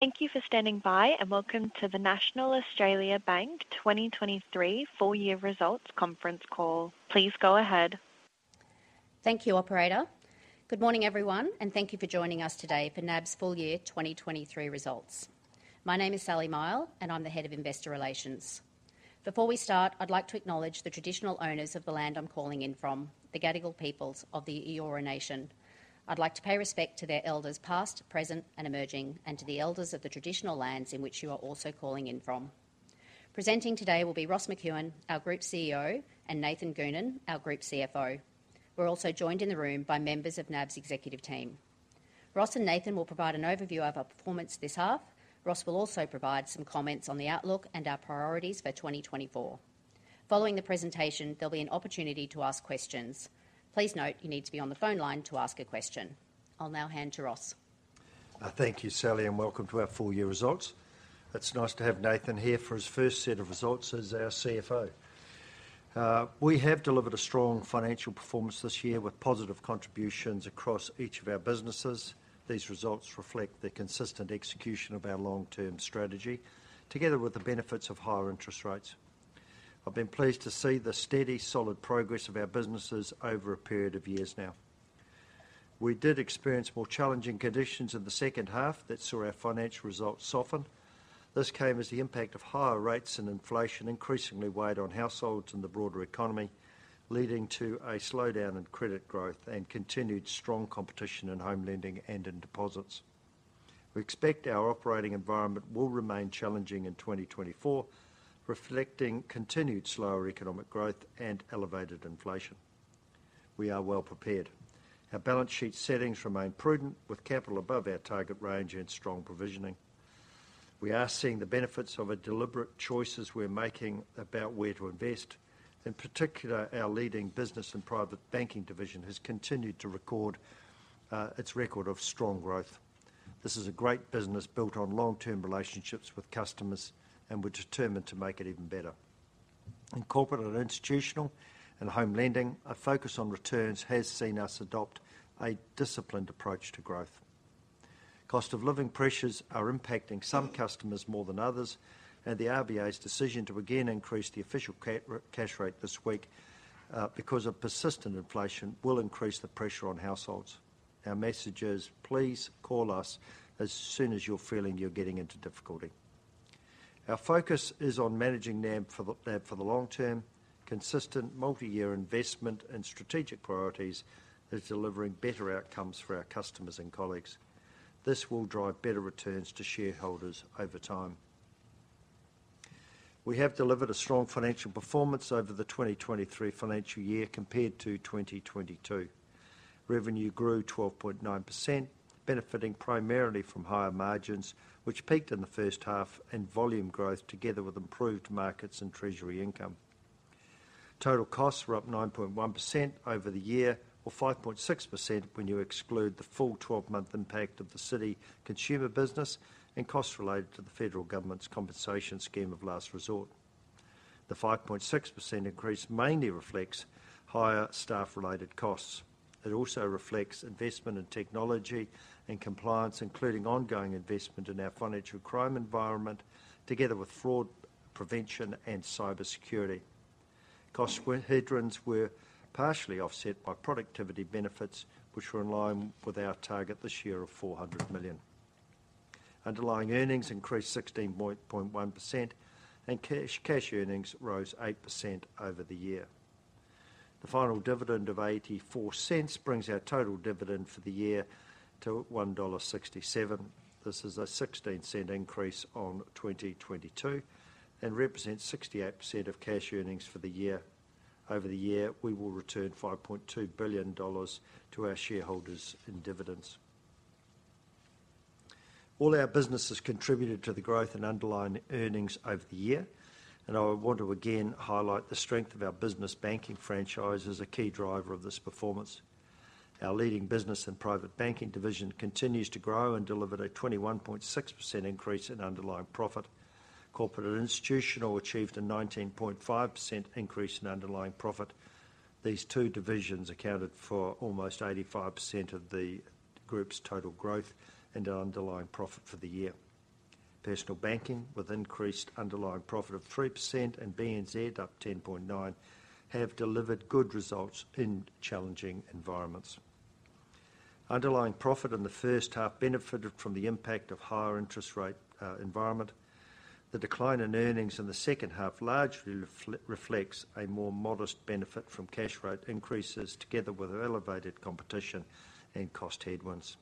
Thank you for standing by, and welcome to the National Australia Bank 2023 full year results conference call. Please go ahead. Thank you, operator. Good morning, everyone, and thank you for joining us today for NAB's full year 2023 results. My name is Sally Mihell, and I'm the Head of Investor Relations. Before we start, I'd like to acknowledge the traditional owners of the land I'm calling in from, the Gadigal peoples of the Eora Nation. I'd like to pay respect to their elders past, present, and emerging, and to the elders of the traditional lands in which you are also calling in from. Presenting today will be Ross McEwan, our Group CEO, and Nathan Goonan, our Group CFO. We're also joined in the room by members of NAB's executive team. Ross and Nathan will provide an overview of our performance this half. Ross will also provide some comments on the outlook and our priorities for 2024. Following the presentation, there'll be an opportunity to ask questions. Please note, you need to be on the phone line to ask a question. I'll now hand to Ross. Thank you, Sally, and welcome to our full year results. It's nice to have Nathan here for his first set of results as our CFO. We have delivered a strong financial performance this year with positive contributions across each of our businesses. These results reflect the consistent execution of our long-term strategy, together with the benefits of higher interest rates. I've been pleased to see the steady, solid progress of our businesses over a period of years now. We did experience more challenging conditions in the second half that saw our financial results soften. This came as the impact of higher rates and inflation increasingly weighed on households and the broader economy, leading to a slowdown in credit growth and continued strong competition in home lending and in deposits. We expect our operating environment will remain challenging in 2024, reflecting continued slower economic growth and elevated inflation. We are well prepared. Our balance sheet settings remain prudent, with capital above our target range and strong provisioning. We are seeing the benefits of the deliberate choices we're making about where to invest. In particular, our leading business and private banking division has continued to record its record of strong growth. This is a great business built on long-term relationships with customers, and we're determined to make it even better. In corporate and institutional and home lending, a focus on returns has seen us adopt a disciplined approach to growth. Cost of living pressures are impacting some customers more than others, and the RBA's decision to again increase the official cash rate this week, because of persistent inflation, will increase the pressure on households. Our message is: please call us as soon as you're feeling you're getting into difficulty. Our focus is on managing NAB for the long term. Consistent, multi-year investment and strategic priorities is delivering better outcomes for our customers and colleagues. This will drive better returns to shareholders over time. We have delivered a strong financial performance over the 2023 financial year compared to 2022. Revenue grew 12.9%, benefiting primarily from higher margins, which peaked in the first half, and volume growth, together with improved markets and treasury income. Total costs were up 9.1% over the year, or 5.6% when you exclude the full 12-month impact of the Citi consumer business and costs related to the federal government's Compensation Scheme of Last Resort. The 5.6% increase mainly reflects higher staff-related costs. It also reflects investment in technology and compliance, including ongoing investment in our financial crime environment, together with fraud prevention and cybersecurity. Cost headwinds were partially offset by productivity benefits, which were in line with our target this year of 400 million. Underlying earnings increased 16.1%, and cash earnings rose 8% over the year. The final dividendAUD 0.84 brings our total dividend for the year to 1.67 dollar. This is a 0.16 increase on 2022 and represents 68% of cash earnings for the year. Over the year, we will return 5.2 billion dollars to our shareholders in dividends. All our businesses contributed to the growth in underlying earnings over the year, and I want to again highlight the strength of our business banking franchise as a key driver of this performance. Our leading business and private banking division continues to grow and delivered a 21.6% increase in underlying profit. Corporate and institutional achieved a 19.5% increase in underlying profit. These two divisions accounted for almost 85% of the group's total growth and our underlying profit for the year. Personal banking, with increased underlying profit of 3%, and BNZ, up 10.9%, have delivered good results in challenging environments. Underlying profit in the first half benefited from the impact of higher interest rate environment. The decline in earnings in the second half largely reflects a more modest benefit from cash rate increases, together with elevated competition and cost headwinds.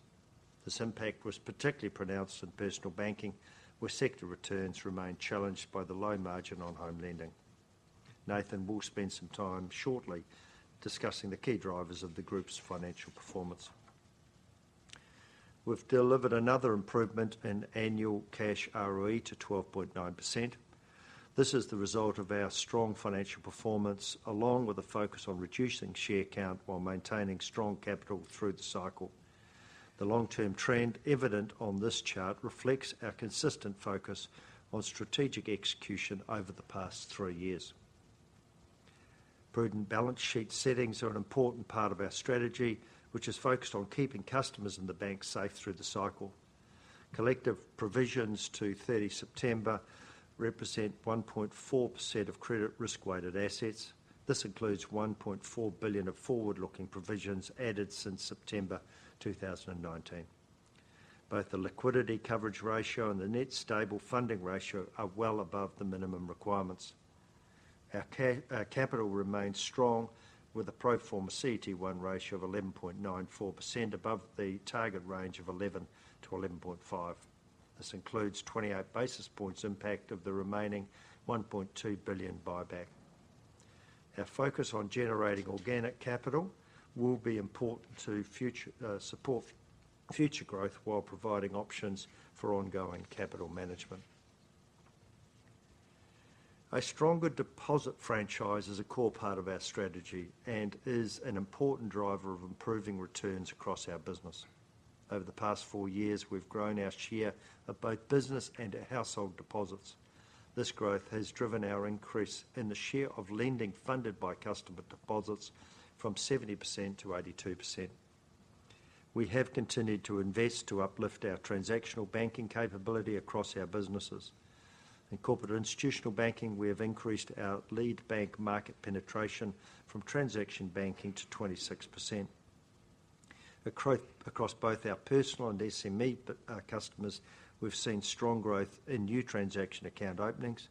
This impact was particularly pronounced in personal banking, where sector returns remained challenged by the low margin on home lending. Nathan will spend some time shortly discussing the key drivers of the group's financial performance. We've delivered another improvement in annual cash ROE to 12.9%. This is the result of our strong financial performance, along with a focus on reducing share count while maintaining strong capital through the cycle. The long-term trend evident on this chart reflects our consistent focus on strategic execution over the past three years.... Prudent balance sheet settings are an important part of our strategy, which is focused on keeping customers and the bank safe through the cycle. Collective provisions to September 30th represent 1.4% of credit risk-weighted assets. This includes 1.4 billion of forward-looking provisions added since September 2019. Both the liquidity coverage ratio and the net stable funding ratio are well above the minimum requirements. Our capital remains strong, with a pro forma CET1 ratio of 11.94%, above the target range of 11%-11.5%. This includes 28 basis points impact of the remaining 1.2 billion buyback. Our focus on generating organic capital will be important to future support future growth, while providing options for ongoing capital management. A stronger deposit franchise is a core part of our strategy and is an important driver of improving returns across our business. Over the past four years, we've grown our share of both business and our household deposits. This growth has driven our increase in the share of lending funded by customer deposits from 70%-82%. We have continued to invest to uplift our transactional banking capability across our businesses. In corporate institutional banking, we have increased our lead bank market penetration from transaction banking to 26%. Across both our personal and SME customers, we've seen strong growth in new transaction account openings,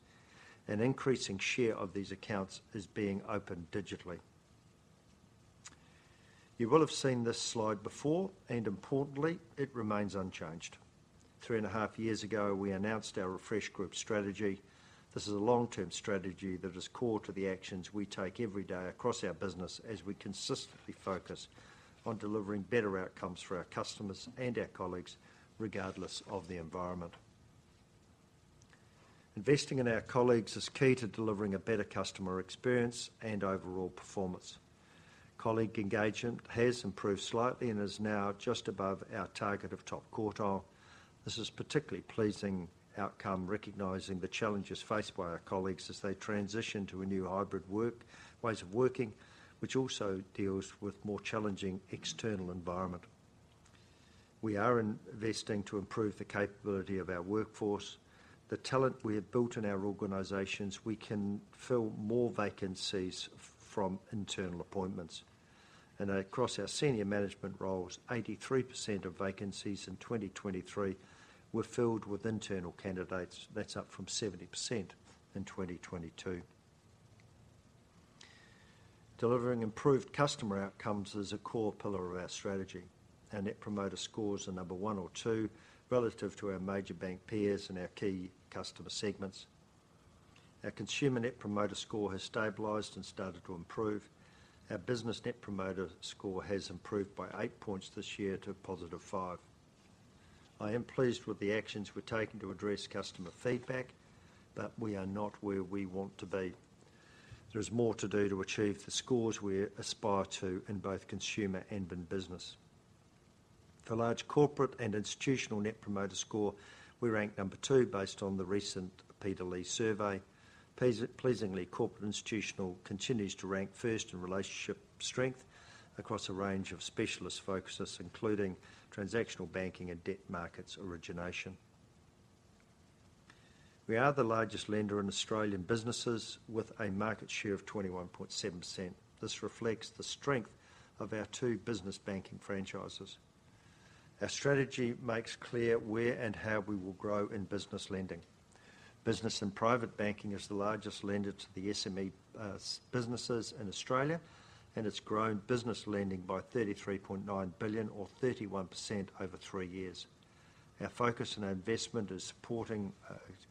an increasing share of these accounts is being opened digitally. You will have seen this slide before, and importantly, it remains unchanged. 3.5 years ago, we announced our refresh group strategy. This is a long-term strategy that is core to the actions we take every day across our business, as we consistently focus on delivering better outcomes for our customers and our colleagues, regardless of the environment. Investing in our colleagues is key to delivering a better customer experience and overall performance. Colleague engagement has improved slightly and is now just above our target of top quartile. This is particularly pleasing outcome, recognizing the challenges faced by our colleagues as they transition to a new hybrid ways of working, which also deals with more challenging external environment. We are investing to improve the capability of our workforce. The talent we have built in our organizations, we can fill more vacancies from internal appointments, and across our senior management roles, 83% of vacancies in 2023 were filled with internal candidates. That's up from 70% in 2022. Delivering improved customer outcomes is a core pillar of our strategy. Our Net Promoter Scores are number one or two, relative to our major bank peers and our key customer segments. Our Consumer Net Promoter Score has stabilized and started to improve. Our Business Net Promoter Score has improved by 8 points this year to a positive five. I am pleased with the actions we're taking to address customer feedback, but we are not where we want to be. There is more to do to achieve the scores we aspire to in both consumer and in business. For large Corporate and Institutional Net Promoter Score, we rank number two, based on the recent Peter Lee survey. Pleasingly, corporate institutional continues to rank first in relationship strength across a range of specialist focuses, including transactional banking and debt markets origination. We are the largest lender in Australian businesses, with a market share of 21.7%. This reflects the strength of our two business banking franchises. Our strategy makes clear where and how we will grow in business lending. Business and Private Banking is the largest lender to the SME businesses in Australia, and it's grown business lending by 33.9 billion or 31% over 3 years. Our focus and our investment is supporting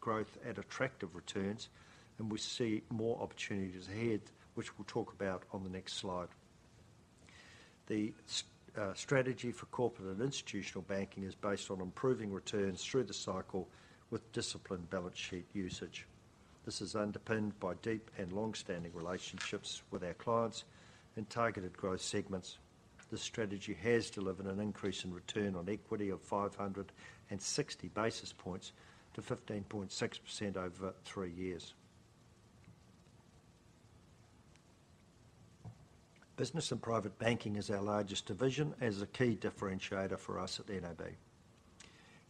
growth at attractive returns, and we see more opportunities ahead, which we'll talk about on the next slide. The strategy for Corporate and Institutional Banking is based on improving returns through the cycle with disciplined balance sheet usage. This is underpinned by deep and long-standing relationships with our clients and targeted growth segments. This strategy has delivered an increase in return on equity of 560 basis points to 15.6% over 3 years. Business and Private Banking is our largest division and is a key differentiator for us at NAB.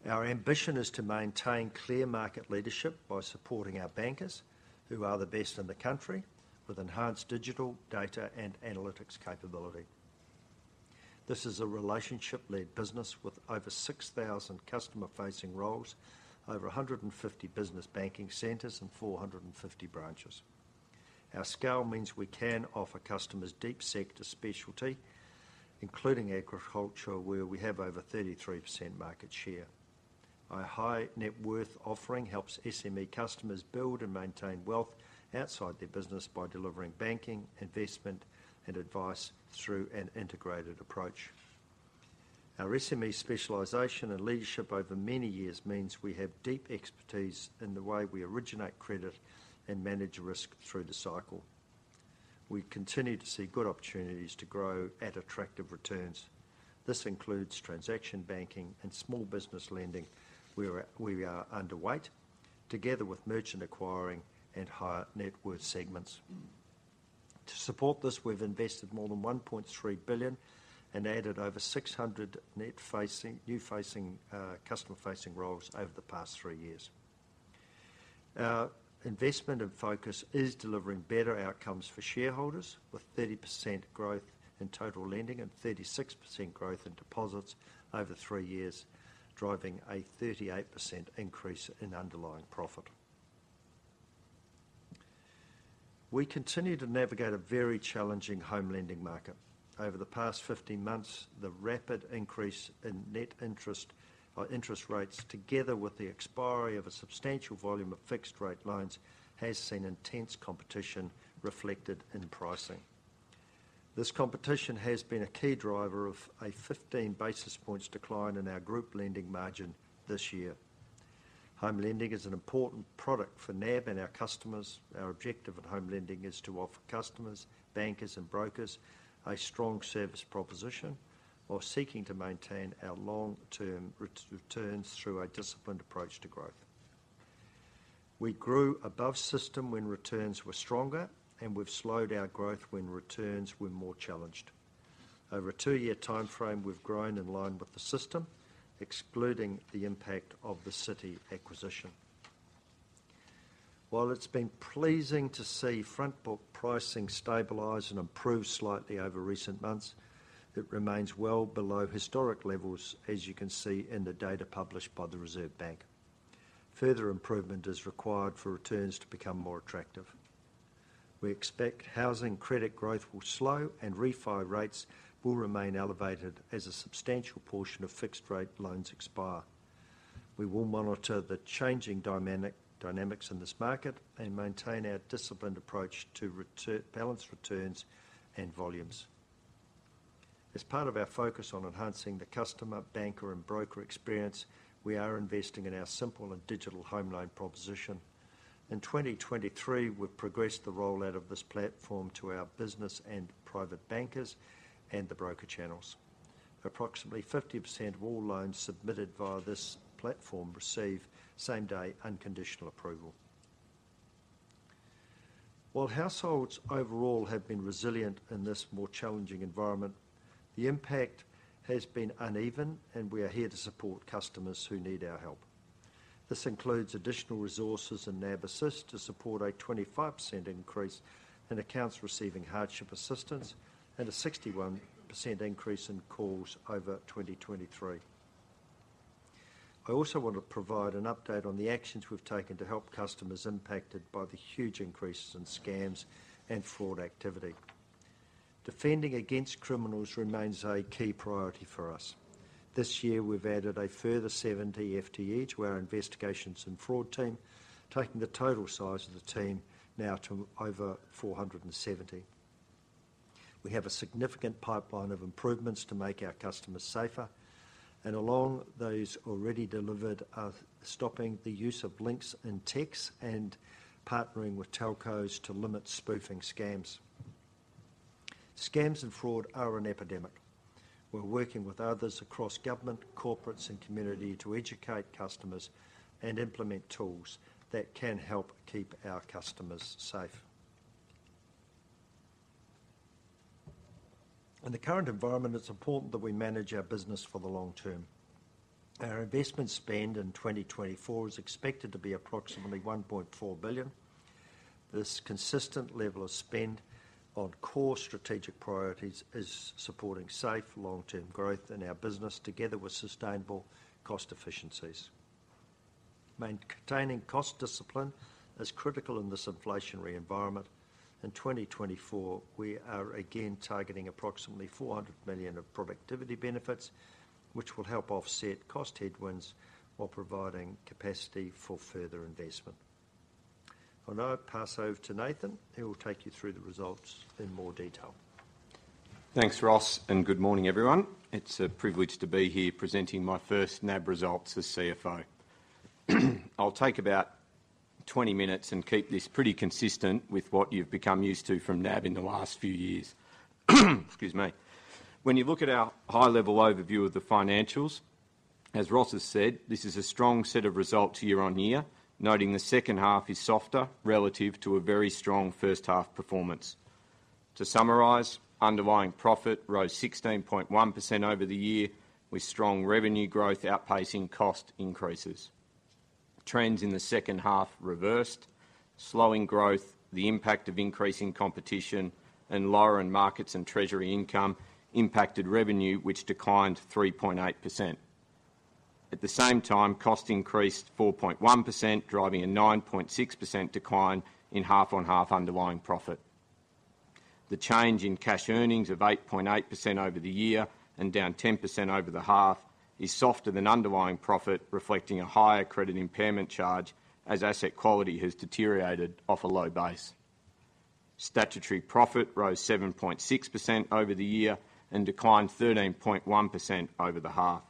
Our ambition is to maintain clear market leadership by supporting our bankers, who are the best in the country, with enhanced digital data and analytics capability. This is a relationship-led business with over 6,000 customer-facing roles, over 150 business banking centers, and 450 branches. Our scale means we can offer customers deep sector specialty, including agriculture, where we have over 33% market share. Our high net worth offering helps SME customers build and maintain wealth outside their business by delivering banking, investment, and advice through an integrated approach. Our SME specialization and leadership over many years means we have deep expertise in the way we originate credit and manage risk through the cycle. We continue to see good opportunities to grow at attractive returns. This includes transaction banking and small business lending, where we are underweight... Together with merchant acquiring and higher net worth segments. To support this, we've invested more than 1.3 billion and added over 600 net customer-facing roles over the past three years. Our investment and focus is delivering better outcomes for shareholders, with 30% growth in total lending and 36% growth in deposits over three years, driving a 38% increase in underlying profit. We continue to navigate a very challenging home lending market. Over the past 15 months, the rapid increase in net interest or interest rates, together with the expiry of a substantial volume of fixed-rate loans, has seen intense competition reflected in pricing. This competition has been a key driver of a 15 basis points decline in our group lending margin this year. Home lending is an important product for NAB and our customers. Our objective at home lending is to offer customers, bankers, and brokers a strong service proposition while seeking to maintain our long-term returns through a disciplined approach to growth. We grew above system when returns were stronger, and we've slowed our growth when returns were more challenged. Over a two-year timeframe, we've grown in line with the system, excluding the impact of the Citi acquisition. While it's been pleasing to see front book pricing stabilize and improve slightly over recent months, it remains well below historic levels, as you can see in the data published by the Reserve Bank. Further improvement is required for returns to become more attractive. We expect housing credit growth will slow, and refi rates will remain elevated as a substantial portion of fixed-rate loans expire. We will monitor the changing dynamic, dynamics in this market and maintain our disciplined approach to return balanced returns and volumes. As part of our focus on enhancing the customer, banker, and broker experience, we are investing in our simple and digital home loan proposition. In 2023, we've progressed the rollout of this platform to our business and private bankers and the broker channels. Approximately 50% of all loans submitted via this platform receive same-day unconditional approval. While households overall have been resilient in this more challenging environment, the impact has been uneven, and we are here to support customers who need our help. This includes additional resources in NAB Assist to support a 25% increase in accounts receiving hardship assistance and a 61% increase in calls over 2023. I also want to provide an update on the actions we've taken to help customers impacted by the huge increases in scams and fraud activity. Defending against criminals remains a key priority for us. This year, we've added a further 70 FTE to our investigations and fraud team, taking the total size of the team now to over 470. We have a significant pipeline of improvements to make our customers safer, and along those already delivered are stopping the use of links in texts and partnering with telcos to limit spoofing scams. Scams and fraud are an epidemic. We're working with others across government, corporates, and community to educate customers and implement tools that can help keep our customers safe. In the current environment, it's important that we manage our business for the long term. Our investment spend in 2024 is expected to be approximately 1.4 billion. This consistent level of spend on core strategic priorities is supporting safe, long-term growth in our business, together with sustainable cost efficiencies. Maintaining cost discipline is critical in this inflationary environment. In 2024, we are again targeting approximately 400 million of productivity benefits, which will help offset cost headwinds while providing capacity for further investment. I'll now pass over to Nathan, who will take you through the results in more detail. Thanks, Ross, and good morning, everyone. It's a privilege to be here presenting my first NAB results as CFO. I'll take about 20 minutes and keep this pretty consistent with what you've become used to from NAB in the last few years. Excuse me. When you look at our high-level overview of the financials, as Ross has said, this is a strong set of results year on year, noting the second half is softer relative to a very strong first-half performance. To summarize, underlying profit rose 16.1% over the year, with strong revenue growth outpacing cost increases. Trends in the second half reversed. Slowing growth, the impact of increasing competition, and lower end markets and treasury income impacted revenue, which declined 3.8%. At the same time, cost increased 4.1%, driving a 9.6% decline in half-on-half underlying profit. The change in cash earnings of 8.8% over the year and down 10% over the half is softer than underlying profit, reflecting a higher credit impairment charge as asset quality has deteriorated off a low base. Statutory profit rose 7.6% over the year and declined 13.1% over the half,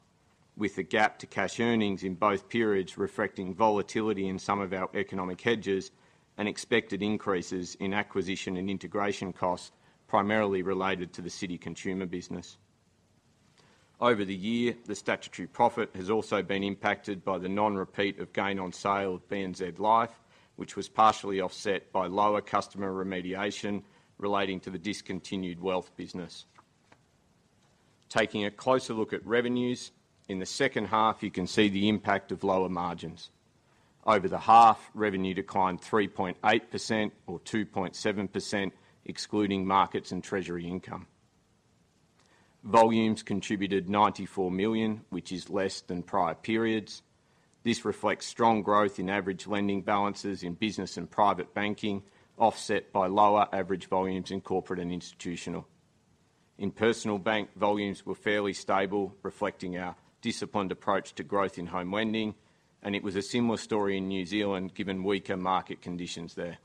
with the gap to cash earnings in both periods reflecting volatility in some of our economic hedges and expected increases in acquisition and integration costs, primarily related to the Citi consumer business.... Over the year, the statutory profit has also been impacted by the non-repeat of gain on sale of BNZ Life, which was partially offset by lower customer remediation relating to the discontinued wealth business. Taking a closer look at revenues, in the second half, you can see the impact of lower margins. Over the half, revenue declined 3.8% or 2.7%, excluding markets and treasury income. Volumes contributed 94 million, which is less than prior periods. This reflects strong growth in average lending balances in business and private banking, offset by lower average volumes in corporate and institutional. In personal bank, volumes were fairly stable, reflecting our disciplined approach to growth in home lending, and it was a similar story in New Zealand, given weaker market conditions there.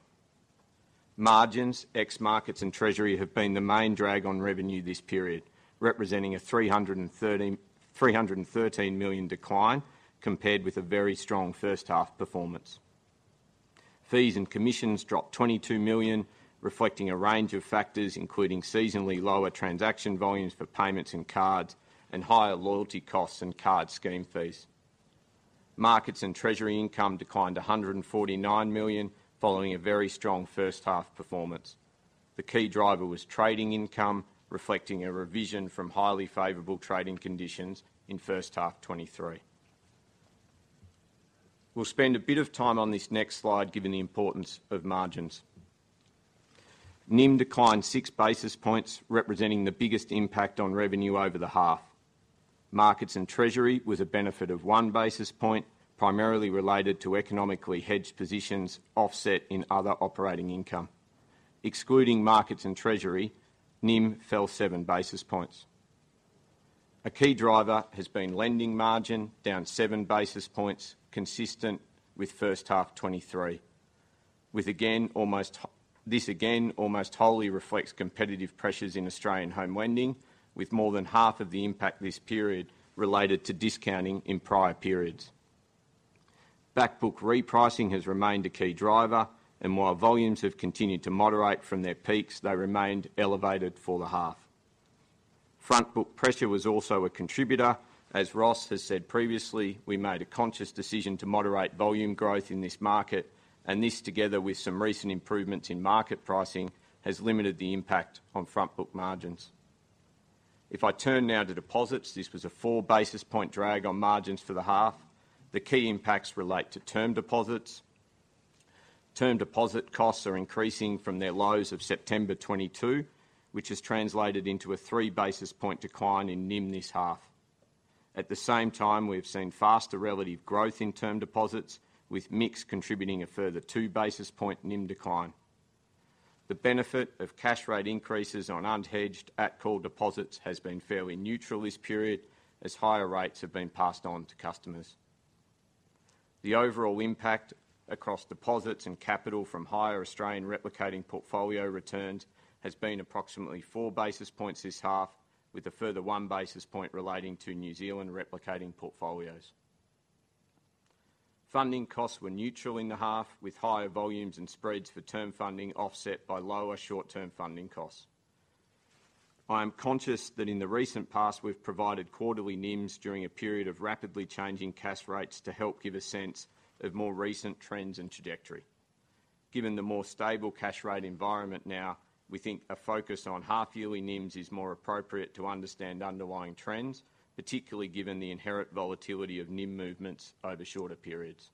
Margins, ex markets and treasury, have been the main drag on revenue this period, representing a 313 million decline, compared with a very strong first half performance. Fees and commissions dropped 22 million, reflecting a range of factors, including seasonally lower transaction volumes for payments and cards, and higher loyalty costs and card scheme fees. Markets and treasury income declined 149 million, following a very strong first half performance. The key driver was trading income, reflecting a revision from highly favorable trading conditions in first half 2023. We'll spend a bit of time on this next slide, given the importance of margins. NIM declined 6 basis points, representing the biggest impact on revenue over the half. Markets and treasury was a benefit of 1 basis point, primarily related to economically hedged positions, offset in other operating income. Excluding markets and treasury, NIM fell 7 basis points. A key driver has been lending margin, down 7 basis points, consistent with first half 2023. With again, almost wholly reflects competitive pressures in Australian home lending, with more than half of the impact this period related to discounting in prior periods. Back book repricing has remained a key driver, and while volumes have continued to moderate from their peaks, they remained elevated for the half. Front book pressure was also a contributor. As Ross has said previously, we made a conscious decision to moderate volume growth in this market, and this, together with some recent improvements in market pricing, has limited the impact on front book margins. If I turn now to deposits, this was a 4 basis points drag on margins for the half. The key impacts relate to term deposits. Term deposit costs are increasing from their lows of September 2022, which has translated into a 3 basis points decline in NIM this half. At the same time, we've seen faster relative growth in term deposits, with mix contributing a further 2 basis points NIM decline. The benefit of cash rate increases on unhedged at-call deposits has been fairly neutral this period, as higher rates have been passed on to customers. The overall impact across deposits and capital from higher Australian replicating portfolio returns has been approximately 4 basis points this half, with a further 1 basis point relating to New Zealand replicating portfolios. Funding costs were neutral in the half, with higher volumes and spreads for term funding offset by lower short-term funding costs. I am conscious that in the recent past, we've provided quarterly NIMs during a period of rapidly changing cash rates to help give a sense of more recent trends and trajectory. Given the more stable cash rate environment now, we think a focus on half-yearly NIMs is more appropriate to understand underlying trends, particularly given the inherent volatility of NIM movements over shorter periods.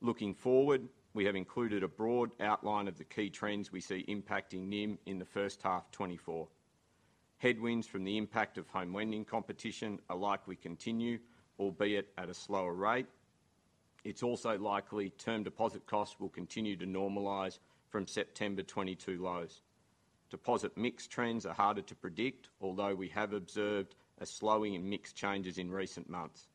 Looking forward, we have included a broad outline of the key trends we see impacting NIM in the first half 2024. Headwinds from the impact of home lending competition are likely to continue, albeit at a slower rate. It's also likely term deposit costs will continue to normalize from September 2022 lows. Deposit mix trends are harder to predict, although we have observed a slowing in mix changes in recent months.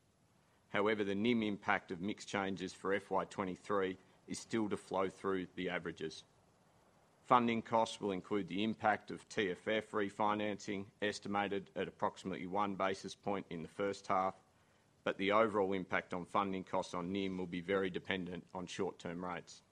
However, the NIM impact of mix changes for FY 2023 is still to flow through the averages. Funding costs will include the impact of TFF refinancing, estimated at approximately 1 basis point in the first half, but the overall impact on funding costs on NIM will be very dependent on short-term rates.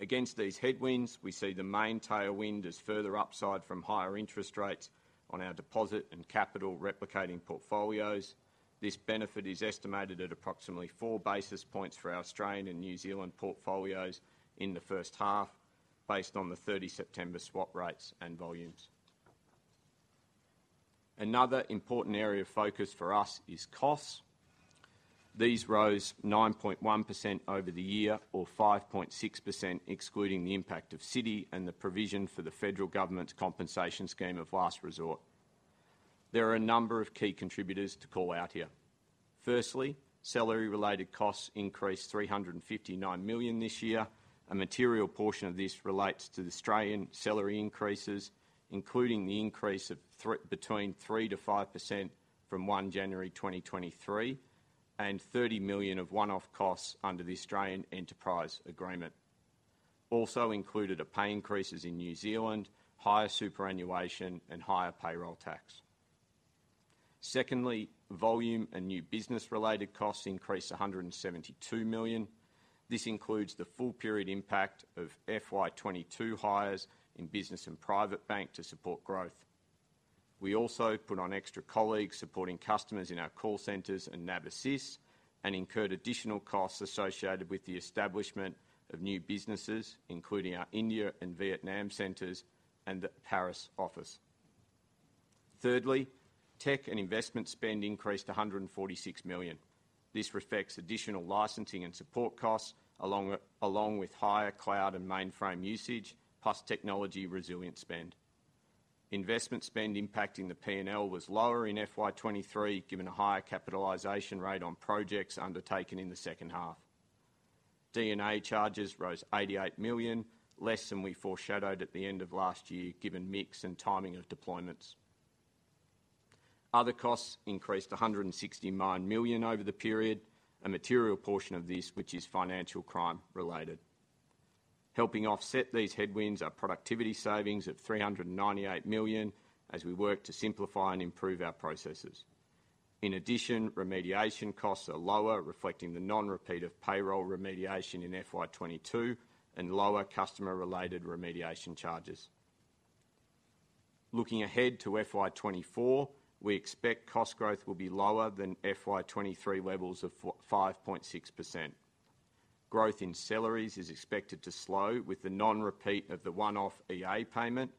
Against these headwinds, we see the main tailwind as further upside from higher interest rates on our deposit and capital replicating portfolios. This benefit is estimated at approximately 4 basis points for Australian and New Zealand portfolios in the first half, based on the September 30th swap rates and volumes. Another important area of focus for us is costs. These rose 9.1% over the year or 5.6%, excluding the impact of Citi and the provision for the federal government's Compensation Scheme of Last Resort. There are a number of key contributors to call out here. Firstly, salary related costs increased 359 million this year. A material portion of this relates to the Australian salary increases, including the increase between 3%-5% from January 1st 2023, and 30 million of one-off costs under the Australian Enterprise Agreement. Also included are pay increases in New Zealand, higher superannuation, and higher payroll tax.... Secondly, volume and new business-related costs increased 172 million. This includes the full period impact of FY 2022 hires in business and private bank to support growth. We also put on extra colleagues supporting customers in our call centers and NAB Assist, and incurred additional costs associated with the establishment of new businesses, including our India and Vietnam centers and the Paris office. Thirdly, tech and investment spend increased to 146 million. This reflects additional licensing and support costs, along with higher cloud and mainframe usage, plus technology resilience spend. Investment spend impacting the P&L was lower in FY 2023, given a higher capitalization rate on projects undertaken in the second half. D&A charges rose 88 million, less than we foreshadowed at the end of last year, given mix and timing of deployments. Other costs increased to 169 million over the period, a material portion of this, which is financial crime-related. Helping offset these headwinds are productivity savings of 398 million as we work to simplify and improve our processes. In addition, remediation costs are lower, reflecting the non-repeat of payroll remediation in FY 2022 and lower customer-related remediation charges. Looking ahead to FY 2024, we expect cost growth will be lower than FY 2023 levels of five point six percent. Growth in salaries is expected to slow, with the non-repeat of the one-off EA payment.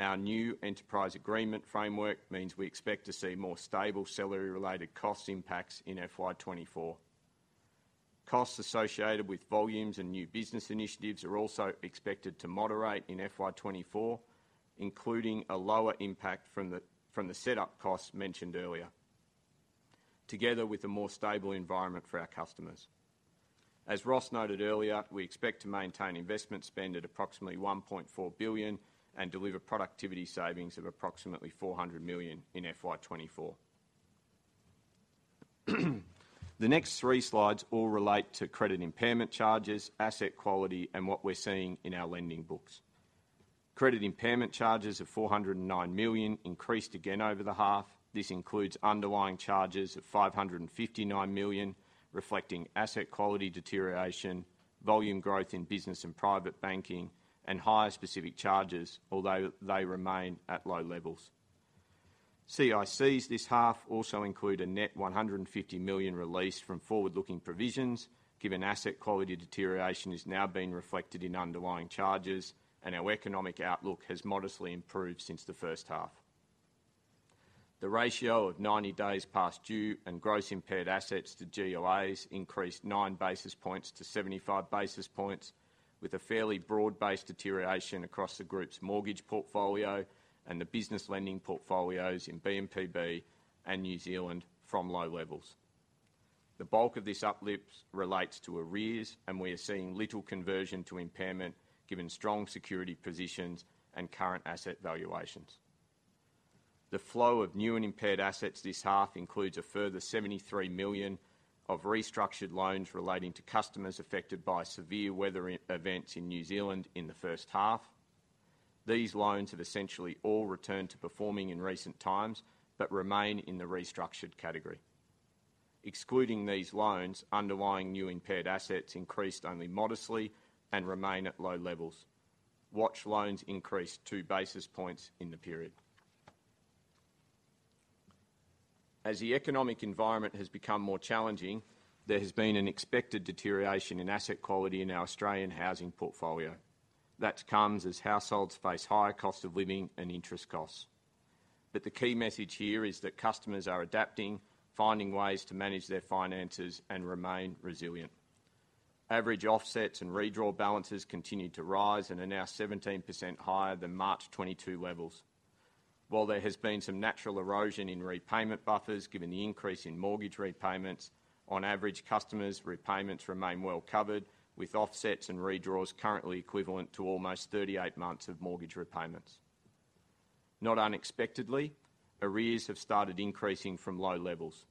Our new enterprise agreement framework means we expect to see more stable salary-related cost impacts in FY 2024. Costs associated with volumes and new business initiatives are also expected to moderate in FY 2024, including a lower impact from the setup costs mentioned earlier, together with a more stable environment for our customers. As Ross noted earlier, we expect to maintain investment spend at approximately 1.4 billion and deliver productivity savings of approximately 400 million in FY 2024. The next three slides all relate to credit impairment charges, asset quality, and what we're seeing in our lending books. Credit impairment charges of 409 million increased again over the half. This includes underlying charges of 559 million, reflecting asset quality deterioration, volume growth in business and private banking, and higher specific charges, although they remain at low levels. CICs this half also include a net 150 million release from forward-looking provisions, given asset quality deterioration is now being reflected in underlying charges, and our economic outlook has modestly improved since the first half. The ratio of 90 days past due and gross impaired assets to GLAs increased 9 basis points-75 basis points, with a fairly broad-based deterioration across the group's mortgage portfolio and the business lending portfolios in B&PB and New Zealand from low levels. The bulk of this uplift relates to arrears, and we are seeing little conversion to impairment, given strong security positions and current asset valuations. The flow of new and impaired assets this half includes a further 73 million of restructured loans relating to customers affected by severe weather events in New Zealand in the first half. These loans have essentially all returned to performing in recent times, but remain in the restructured category. Excluding these loans, underlying new impaired assets increased only modestly and remain at low levels. Watch loans increased 2 basis points in the period. As the economic environment has become more challenging, there has been an expected deterioration in asset quality in our Australian housing portfolio. That comes as households face higher costs of living and interest costs. But the key message here is that customers are adapting, finding ways to manage their finances, and remain resilient. Average offsets and redraw balances continued to rise and are now 17% higher than March 2022 levels. While there has been some natural erosion in repayment buffers, given the increase in mortgage repayments, on average, customers' repayments remain well covered, with offsets and redraws currently equivalent to almost 38 months of mortgage repayments. Not unexpectedly, arrears have started increasing from low levels.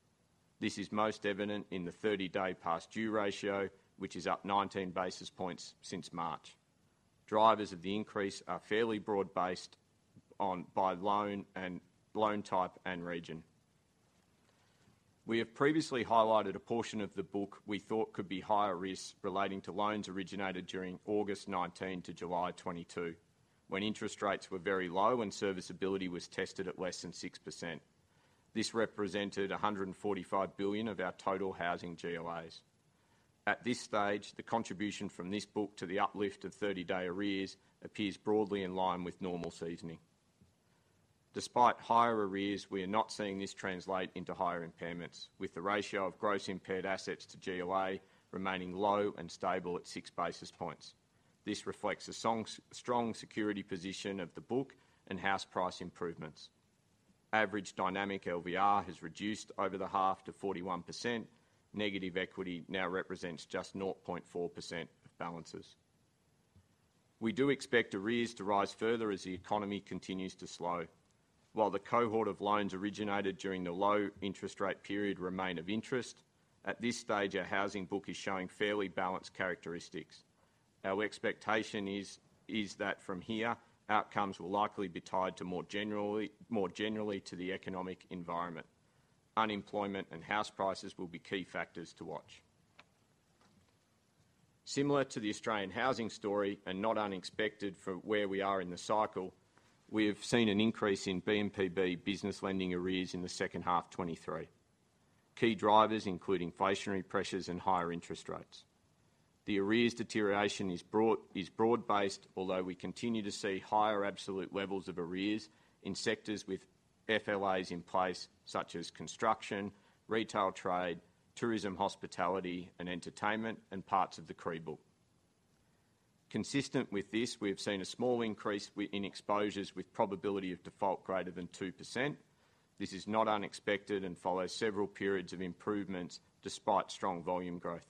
This is most evident in the 30-day past due ratio, which is up 19 basis points since March. Drivers of the increase are fairly broad-based on, by loan and loan type, and region. We have previously highlighted a portion of the book we thought could be higher risk, relating to loans originated during August 2019-July 2022, when interest rates were very low and serviceability was tested at less than 6%. This represented 145 billion of our total housing GLAs. At this stage, the contribution from this book to the uplift of 30-day arrears appears broadly in line with normal seasoning. Despite higher arrears, we are not seeing this translate into higher impairments, with the ratio of gross impaired assets to GLA remaining low and stable at 6 basis points. This reflects a strong security position of the book and house price improvements. Average dynamic LVR has reduced over the half to 41%. Negative equity now represents just 0.4% of balances. We do expect arrears to rise further as the economy continues to slow. While the cohort of loans originated during the low interest rate period remain of interest, at this stage, our housing book is showing fairly balanced characteristics. Our expectation is that from here, outcomes will likely be tied to more generally to the economic environment. Unemployment and house prices will be key factors to watch. Similar to the Australian housing story, and not unexpected from where we are in the cycle, we have seen an increase in BNZ business lending arrears in the second half 2023. Key drivers include inflationary pressures and higher interest rates. The arrears deterioration is broad, is broad-based, although we continue to see higher absolute levels of arrears in sectors with FLAs in place, such as construction, retail trade, tourism, hospitality, and entertainment, and parts of the credit book. Consistent with this, we have seen a small increase with in exposures with probability of default greater than 2%. This is not unexpected and follows several periods of improvements despite strong volume growth.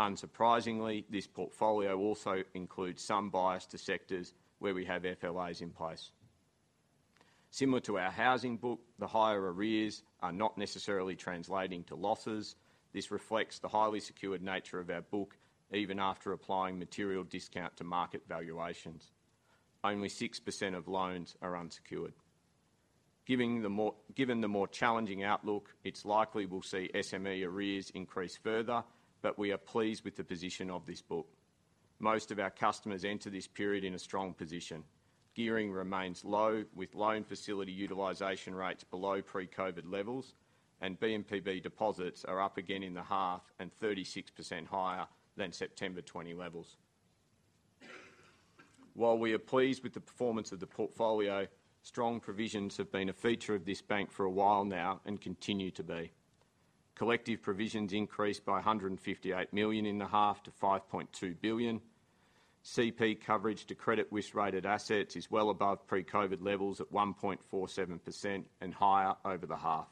Unsurprisingly, this portfolio also includes some bias to sectors where we have FLAs in place. Similar to our housing book, the higher arrears are not necessarily translating to losses. This reflects the highly secured nature of our book, even after applying material discount to market valuations. Only 6% of loans are unsecured. Given the more challenging outlook, it's likely we'll see SME arrears increase further, but we are pleased with the position of this book. Most of our customers enter this period in a strong position. Gearing remains low, with loan facility utilization rates below pre-COVID levels, and BNZ deposits are up again in the half and 36% higher than September 2020 levels. While we are pleased with the performance of the portfolio, strong provisions have been a feature of this bank for a while now and continue to be. Collective provisions increased by 158 million in the half to 5.2 billion. CP coverage to credit risk-weighted assets is well above pre-COVID levels at 1.47% and higher over the half.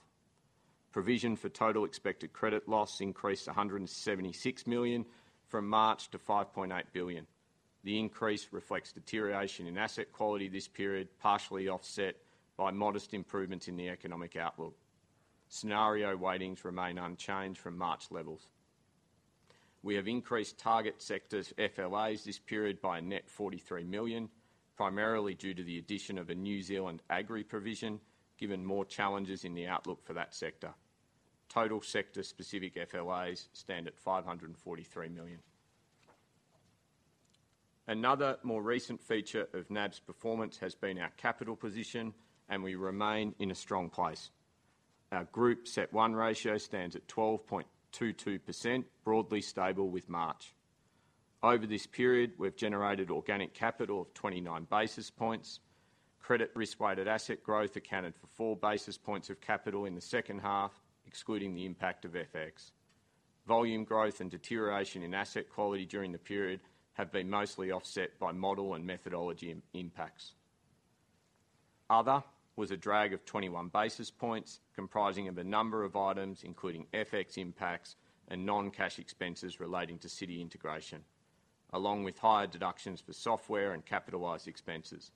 Provision for total expected credit loss increased to 176 million from March to 5.8 billion. The increase reflects deterioration in asset quality this period, partially offset by modest improvements in the economic outlook. Scenario weightings remain unchanged from March levels. We have increased target sectors FLAs this period by a net 43 million, primarily due to the addition of a New Zealand agri provision, given more challenges in the outlook for that sector. Total sector-specific FLAs stand at 543 million. Another more recent feature of NAB's performance has been our capital position, and we remain in a strong place. Our group CET1 ratio stands at 12.22%, broadly stable with March. Over this period, we've generated organic capital of 29 basis points. Credit risk weighted asset growth accounted for 4 basis points of capital in the second half, excluding the impact of FX. Volume growth and deterioration in asset quality during the period have been mostly offset by model and methodology impacts. Other was a drag of 21 basis points, comprising of a number of items, including FX impacts and non-cash expenses relating to Citi integration, along with higher deductions for software and capitalized expenses.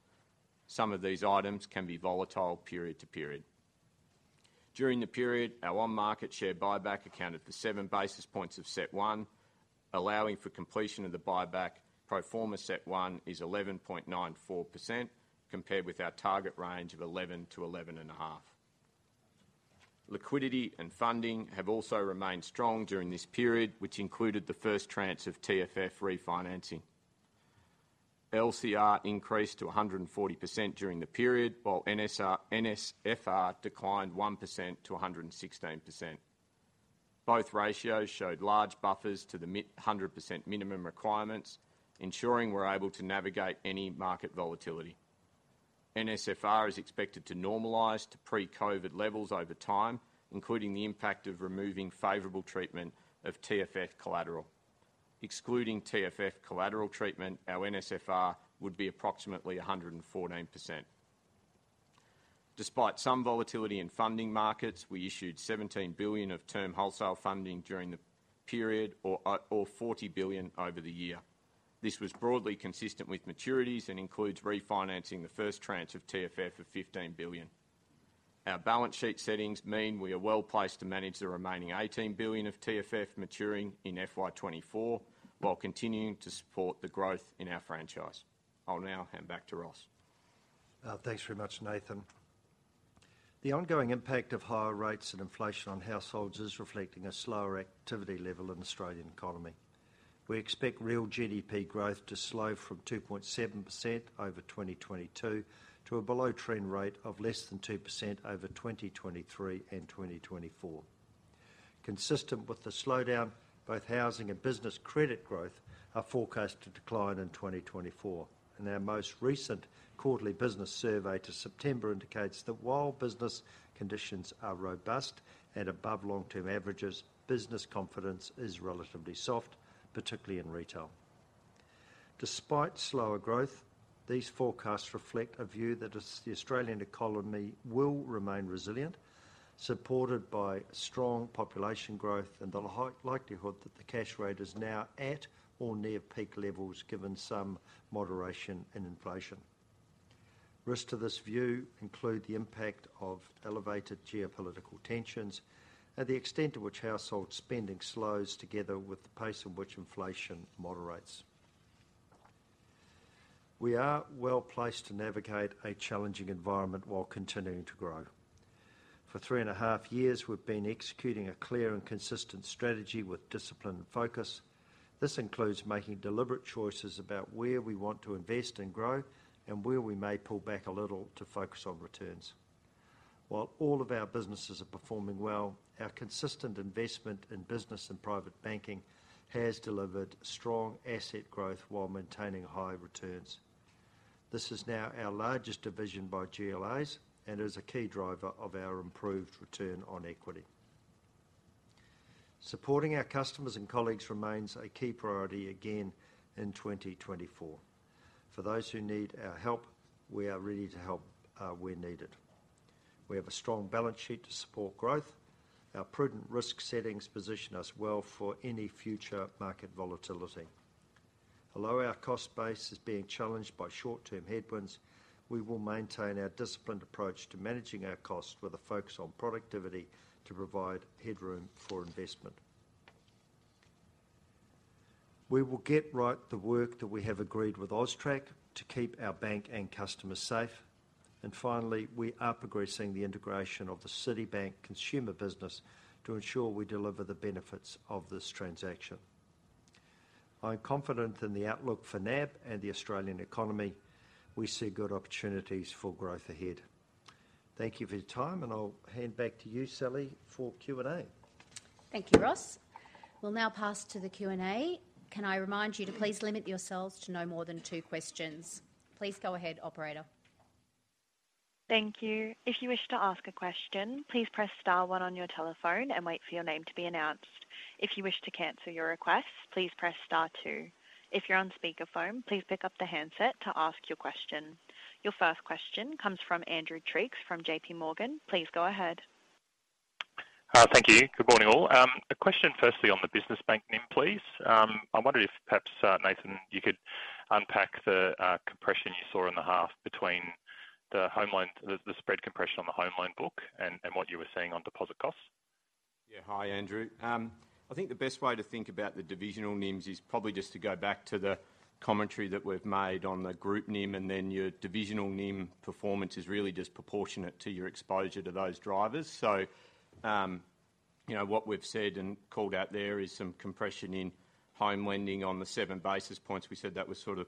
Some of these items can be volatile period to period. During the period, our on-market share buyback accounted for 7 basis points of CET1, allowing for completion of the buyback. Pro forma CET1 is 11.94%, compared with our target range of 11%-11.5%. Liquidity and funding have also remained strong during this period, which included the first tranche of TFF refinancing. LCR increased to 100% during the period, while NSFR declined 1%-116%. Both ratios showed large buffers to the 100% minimum requirements, ensuring we're able to navigate any market volatility. NSFR is expected to normalize to pre-COVID levels over time, including the impact of removing favorable treatment of TFF collateral. Excluding TFF collateral treatment, our NSFR would be approximately 114%. Despite some volatility in funding markets, we issued 17 billion of term wholesale funding during the period or 40 billion over the year. This was broadly consistent with maturities and includes refinancing the first tranche of TFF of 15 billion. Our balance sheet settings mean we are well placed to manage the remaining 18 billion of TFF maturing in FY 2024, while continuing to support the growth in our franchise. I'll now hand back to Ross. Thanks very much, Nathan. The ongoing impact of higher rates and inflation on households is reflecting a slower activity level in Australian economy. We expect real GDP growth to slow from 2.7% over 2022 to a below-trend rate of less than 2% over 2023 and 2024. Consistent with the slowdown, both housing and business credit growth are forecast to decline in 2024, and our most recent quarterly business survey to September indicates that while business conditions are robust and above long-term averages, business confidence is relatively soft, particularly in retail. Despite slower growth, these forecasts reflect a view that as the Australian economy will remain resilient, supported by strong population growth and the high likelihood that the cash rate is now at or near peak levels, given some moderation in inflation. Risks to this view include the impact of elevated geopolitical tensions and the extent to which household spending slows together with the pace in which inflation moderates. We are well-placed to navigate a challenging environment while continuing to grow. For three and a half years, we've been executing a clear and consistent strategy with discipline and focus. This includes making deliberate choices about where we want to invest and grow, and where we may pull back a little to focus on returns. While all of our businesses are performing well, our consistent investment in business and private banking has delivered strong asset growth while maintaining high returns. This is now our largest division by GLAs and is a key driver of our improved return on equity. Supporting our customers and colleagues remains a key priority again in 2024. For those who need our help, we are ready to help where needed. We have a strong balance sheet to support growth. Our prudent risk settings position us well for any future market volatility. Although our cost base is being challenged by short-term headwinds, we will maintain our disciplined approach to managing our costs with a focus on productivity to provide headroom for investment. We will get right the work that we have agreed with AUSTRAC to keep our bank and customers safe. And finally, we are progressing the integration of the Citibank consumer business to ensure we deliver the benefits of this transaction. I'm confident in the outlook for NAB and the Australian economy. We see good opportunities for growth ahead. Thank you for your time, and I'll hand back to you, Sally, for Q&A. Thank you, Ross. We'll now pass to the Q&A. Can I remind you to please limit yourselves to no more than two questions? Please go ahead, operator. Thank you. If you wish to ask a question, please press star one on your telephone and wait for your name to be announced. If you wish to cancel your request, please press star two. If you're on speakerphone, please pick up the handset to ask your question. Your first question comes from Andrew Triggs from JP Morgan. Please go ahead. Thank you. Good morning, all. A question firstly on the business banking, please. I wonder if perhaps Nathan, you could unpack the compression you saw in the half between the home loan... the spread compression on the home loan book and what you were seeing on deposit costs. Yeah. Hi, Andrew. I think the best way to think about the divisional NIMs is probably just to go back to the commentary that we've made on the group NIM, and then your divisional NIM performance is really disproportionate to your exposure to those drivers. So, you know, what we've said and called out there is some compression in home lending on the 7 basis points. We said that was sort of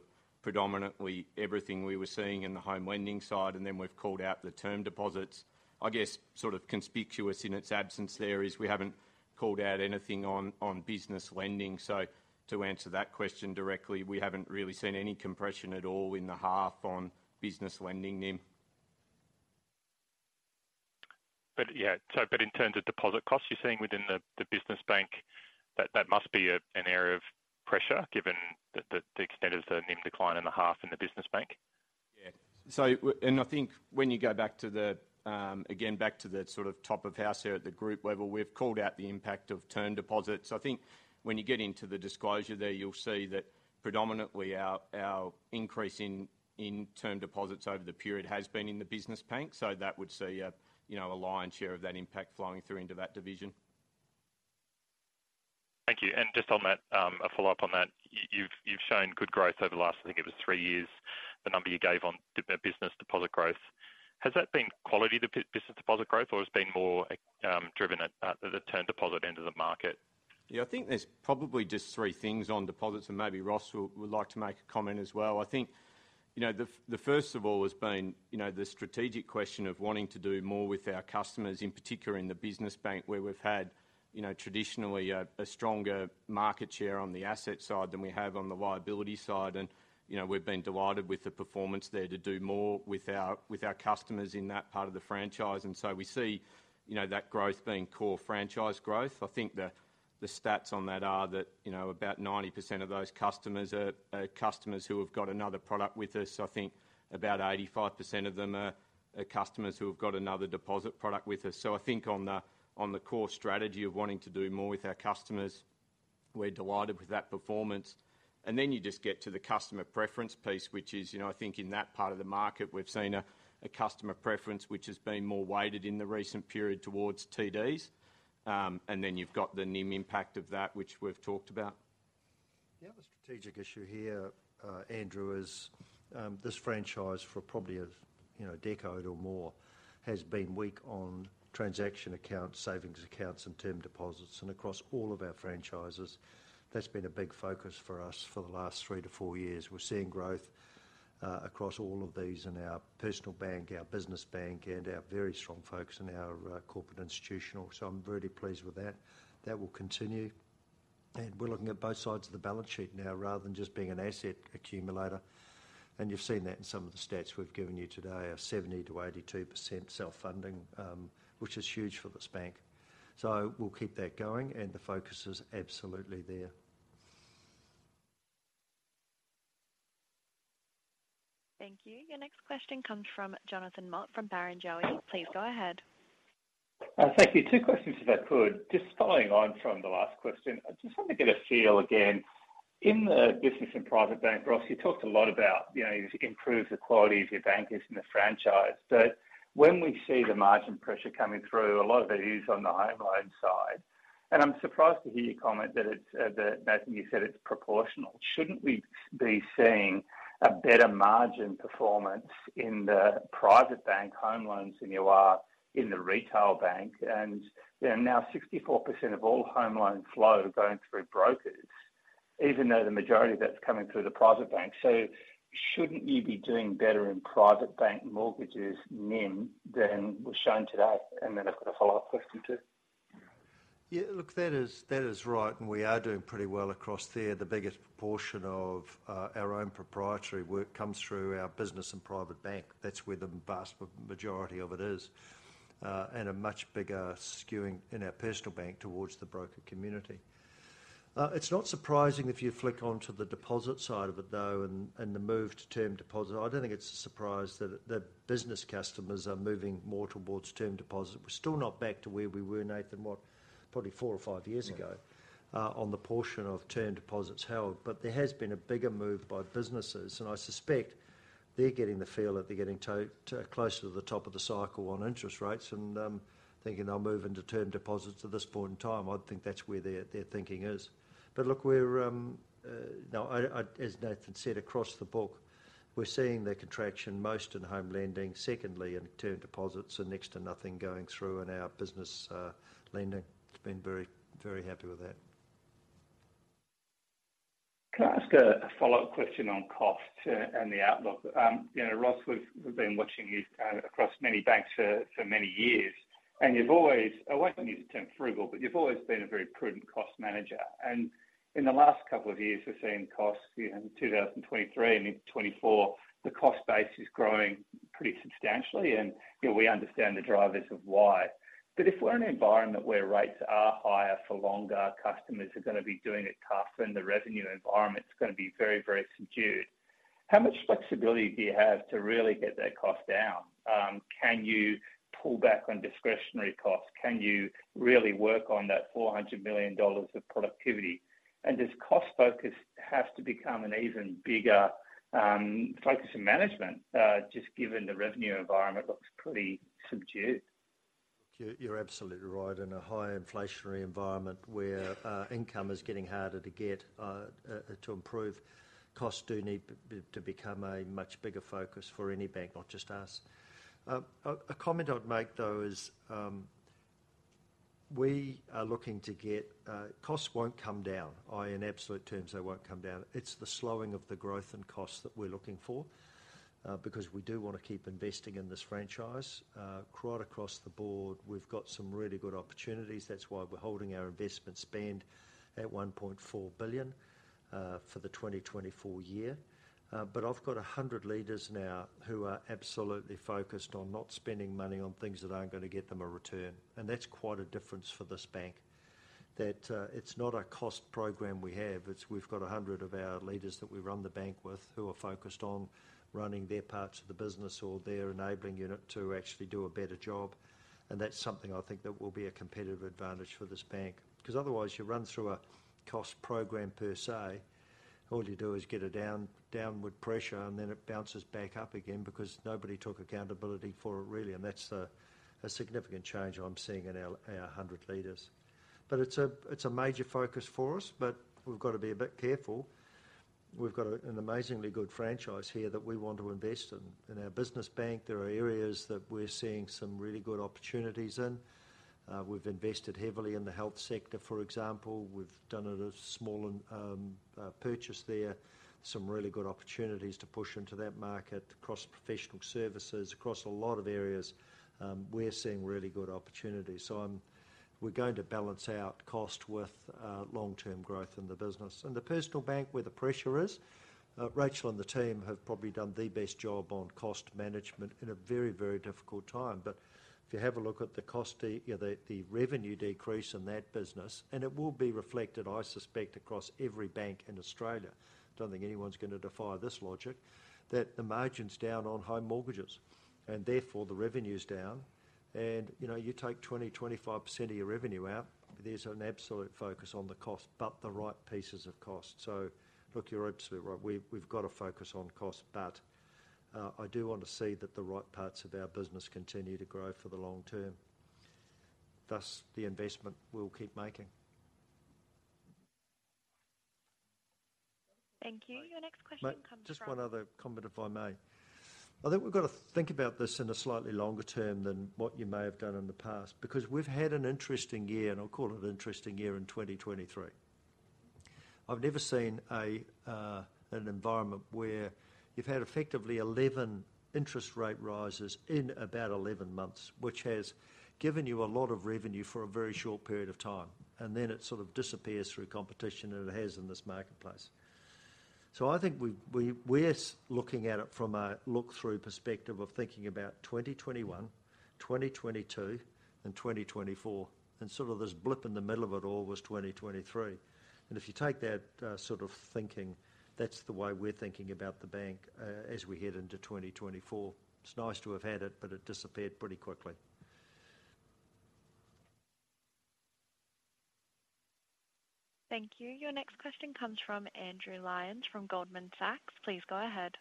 predominantly everything we were seeing in the home lending side, and then we've called out the term deposits. I guess, sort of conspicuous in its absence there, is we haven't called out anything on, on business lending. So to answer that question directly, we haven't really seen any compression at all in the half on business lending NIM. Yeah, so in terms of deposit costs, you're seeing within the business bank that that must be an area of pressure, given the extent of the NIM decline in the half in the business bank? Yeah. So and I think when you go back to the, again, back to the sort of top of house here at the group level, we've called out the impact of term deposits. I think when you get into the disclosure there, you'll see that predominantly our increase in term deposits over the period has been in the business bank, so that would see, you know, a lion's share of that impact flowing through into that division. Thank you, and just on that, a follow-up on that. You've shown good growth over the last, I think it was three years, the number you gave on the business deposit growth. Has that been quality business deposit growth, or it's been more driven at the term deposit end of the market? Yeah, I think there's probably just three things on deposits, and maybe Ross would like to make a comment as well. I think, you know, the first of all has been, you know, the strategic question of wanting to do more with our customers, in particular in the business bank, where we've had, you know, traditionally a stronger market share on the asset side than we have on the liability side. And, you know, we've been delighted with the performance there to do more with our customers in that part of the franchise, and so we see, you know, that growth being core franchise growth. I think the stats on that are that, you know, about 90% of those customers are customers who have got another product with us. I think about 85% of them are customers who have got another deposit product with us. So I think on the core strategy of wanting to do more with our customers, we're delighted with that performance. And then you just get to the customer preference piece, which is, you know, I think in that part of the market, we've seen a customer preference which has been more weighted in the recent period towards TDs. And then you've got the NIM impact of that, which we've talked about. The other strategic issue here, Andrew, is this franchise for probably a, you know, decade or more, has been weak on transaction accounts, savings accounts, and term deposits. Across all of our franchises, that's been a big focus for us for the last three to four years. We're seeing growth across all of these in our personal bank, our business bank, and our very strong focus in our corporate institutional. I'm very pleased with that. That will continue, and we're looking at both sides of the balance sheet now rather than just being an asset accumulator. You've seen that in some of the stats we've given you today, of 70%-82% self-funding, which is huge for this bank. We'll keep that going, and the focus is absolutely there. Thank you. Your next question comes from Jonathan Mott from Barrenjoey. Please go ahead.... Thank you. Two questions, if I could. Just following on from the last question, I just want to get a feel again. In the business and private bank, Ross, you talked a lot about, you know, you've improved the quality of your bankers in the franchise. But when we see the margin pressure coming through, a lot of it is on the home loan side. And I'm surprised to hear you comment that it's, that, as you said, it's proportional. Shouldn't we be seeing a better margin performance in the private bank home loans than you are in the retail bank? And, you know, now 64% of all home loan flow going through brokers, even though the majority of that's coming through the private bank. So shouldn't you be doing better in private bank mortgages NIM than was shown today? I've got a follow-up question, too. Yeah, look, that is, that is right, and we are doing pretty well across there. The biggest portion of our own proprietary work comes through our business and private bank. That's where the vast majority of it is, and a much bigger skewing in our personal bank towards the broker community. It's not surprising if you flick onto the deposit side of it, though, and the move to term deposit. I don't think it's a surprise that, that business customers are moving more towards term deposit. We're still not back to where we were, Nathan, what? Probably four or five years ago- Yeah on the portion of term deposits held. But there has been a bigger move by businesses, and I suspect they're getting the feel that they're getting to, to closer to the top of the cycle on interest rates and, thinking they'll move into term deposits at this point in time. I'd think that's where their, their thinking is. But look, we're, Now, I, I, as Nathan said, across the book, we're seeing the contraction most in home lending, secondly in term deposits and next to nothing going through in our business, lending. It's been very, very happy with that. Can I ask a follow-up question on cost, and the outlook? You know, Ross, we've been watching you across many banks for many years, and you've always... I won't use the term frugal, but you've always been a very prudent cost manager. And in the last couple of years, we've seen costs, you know, in 2023 and into 2024, the cost base is growing pretty substantially, and, you know, we understand the drivers of why. But if we're in an environment where rates are higher for longer, customers are gonna be doing it tougher, and the revenue environment is gonna be very, very subdued, how much flexibility do you have to really get that cost down? Can you pull back on discretionary costs? Can you really work on that 400 million dollars of productivity? Does cost focus have to become an even bigger focus in management, just given the revenue environment looks pretty subdued? You're absolutely right. In a high inflationary environment where income is getting harder to get to improve, costs do need to become a much bigger focus for any bank, not just us. A comment I'd make, though, is we are looking to get... Costs won't come down. In absolute terms, they won't come down. It's the slowing of the growth and costs that we're looking for, because we do want to keep investing in this franchise. Right across the board, we've got some really good opportunities. That's why we're holding our investment spend at 1.4 billion for the 2024 year. But I've got 100 leaders now who are absolutely focused on not spending money on things that aren't gonna get them a return, and that's quite a difference for this bank. That, it's not a cost program we have. It's we've got 100 of our leaders that we run the bank with, who are focused on running their parts of the business or their enabling unit to actually do a better job, and that's something I think that will be a competitive advantage for this bank. Because otherwise, you run through a cost program per se, all you do is get a downward pressure, and then it bounces back up again because nobody took accountability for it, really, and that's a significant change I'm seeing in our 100 leaders. But it's a major focus for us, but we've got to be a bit careful. We've got an amazingly good franchise here that we want to invest in. In our business bank, there are areas that we're seeing some really good opportunities in. We've invested heavily in the health sector, for example. We've done a small purchase there. Some really good opportunities to push into that market, across professional services, across a lot of areas, we're seeing really good opportunities. So we're going to balance out cost with long-term growth in the business. And the personal bank, where the pressure is, Rachel and the team have probably done the best job on cost management in a very, very difficult time. But if you have a look at the cost, you know, the revenue decrease in that business, and it will be reflected, I suspect, across every bank in Australia. Don't think anyone's going to defy this logic, that the margin's down on home mortgages, and therefore the revenue's down. You know, you take 20%-25% of your revenue out, there's an absolute focus on the cost, but the right pieces of cost. Look, you're absolutely right. We've got to focus on cost, but I do want to see that the right parts of our business continue to grow for the long term. Thus, the investment we'll keep making. Thank you. Your next question comes from- Mate, just one other comment, if I may. I think we've got to think about this in a slightly longer term than what you may have done in the past, because we've had an interesting year, and I'll call it an interesting year in 2023. I've never seen an environment where you've had effectively 11 interest rate rises in about 11 months, which has given you a lot of revenue for a very short period of time, and then it sort of disappears through competition, and it has in this marketplace. So I think we're looking at it from a look-through perspective of thinking about 2021, 2022, and 2024, and sort of this blip in the middle of it all was 2023. If you take that sort of thinking, that's the way we're thinking about the bank as we head into 2024. It's nice to have had it, but it disappeared pretty quickly.... Thank you. Your next question comes from Andrew Lyons from Goldman Sachs. Please go ahead.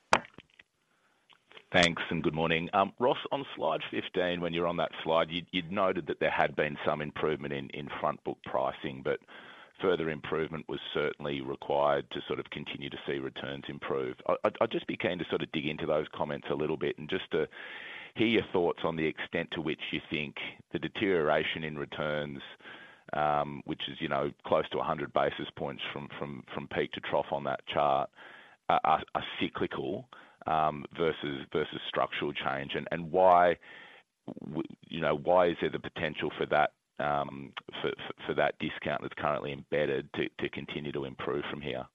Thanks, and good morning. Ross, on Slide 15, when you're on that slide, you'd noted that there had been some improvement in front book pricing, but further improvement was certainly required to sort of continue to see returns improve. I'd just be keen to sort of dig into those comments a little bit and just to hear your thoughts on the extent to which you think the deterioration in returns, which is, you know, close to 100 basis points from peak to trough on that chart, is cyclical versus structural change. And why, you know, why is there the potential for that discount that's currently embedded to continue to improve from here?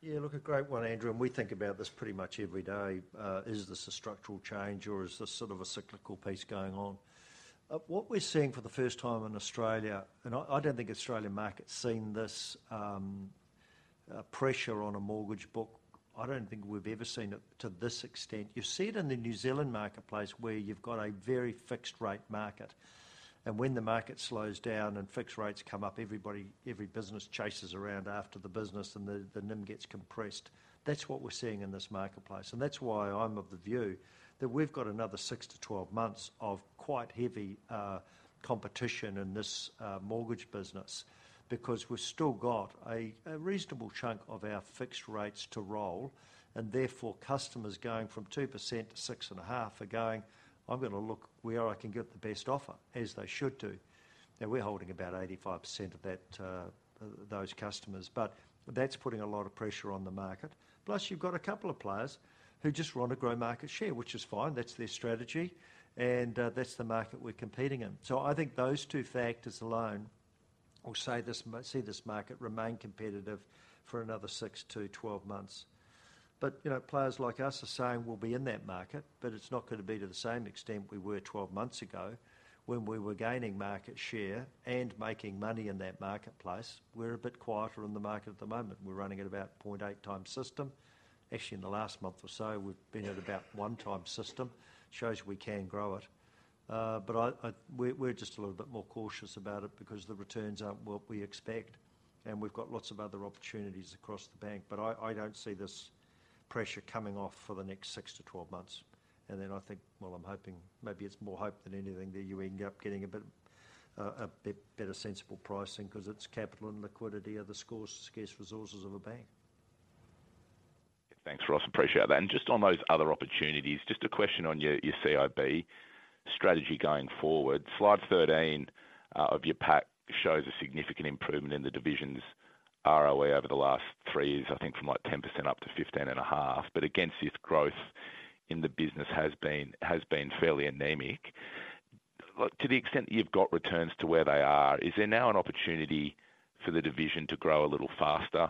Yeah, look, a great one, Andrew, and we think about this pretty much every day. Is this a structural change, or is this sort of a cyclical piece going on? What we're seeing for the first time in Australia, and I don't think Australian market's seen this, pressure on a mortgage book. I don't think we've ever seen it to this extent. You see it in the New Zealand marketplace, where you've got a very fixed-rate market, and when the market slows down and fixed rates come up, everybody, every business chases around after the business, and the NIM gets compressed. That's what we're seeing in this marketplace, and that's why I'm of the view that we've got another 6 months-12 months of quite heavy competition in this mortgage business. Because we've still got a reasonable chunk of our fixed rates to roll, and therefore, customers going from 2%-6.5% are going: "I'm going to look where I can get the best offer," as they should do. And we're holding about 85% of that, those customers, but that's putting a lot of pressure on the market. Plus, you've got a couple of players who just want to grow market share, which is fine. That's their strategy, and that's the market we're competing in. So I think those two factors alone will say this—see this market remain competitive for another 6 months-12 months. But, you know, players like us are saying we'll be in that market, but it's not going to be to the same extent we were 12 months ago when we were gaining market share and making money in that marketplace. We're a bit quieter in the market at the moment. We're running at about 0.8x system. Actually, in the last month or so, we've been at about one time system, shows we can grow it. But I, we're just a little bit more cautious about it because the returns aren't what we expect, and we've got lots of other opportunities across the bank. But I don't see this pressure coming off for the next 6 months-12 months. And then I think... Well, I'm hoping, maybe it's more hope than anything, that you end up getting a bit, a bit better sensible pricing because it's capital and liquidity are the scarce resources of a bank. Thanks, Ross. Appreciate that. And just on those other opportunities, just a question on your CIB strategy going forward. Slide 13 of your pack shows a significant improvement in the division's ROE over the last three years, I think from, like, 10% up to 15.5%, but against this growth in the business has been fairly anemic. To the extent that you've got returns to where they are, is there now an opportunity for the division to grow a little faster,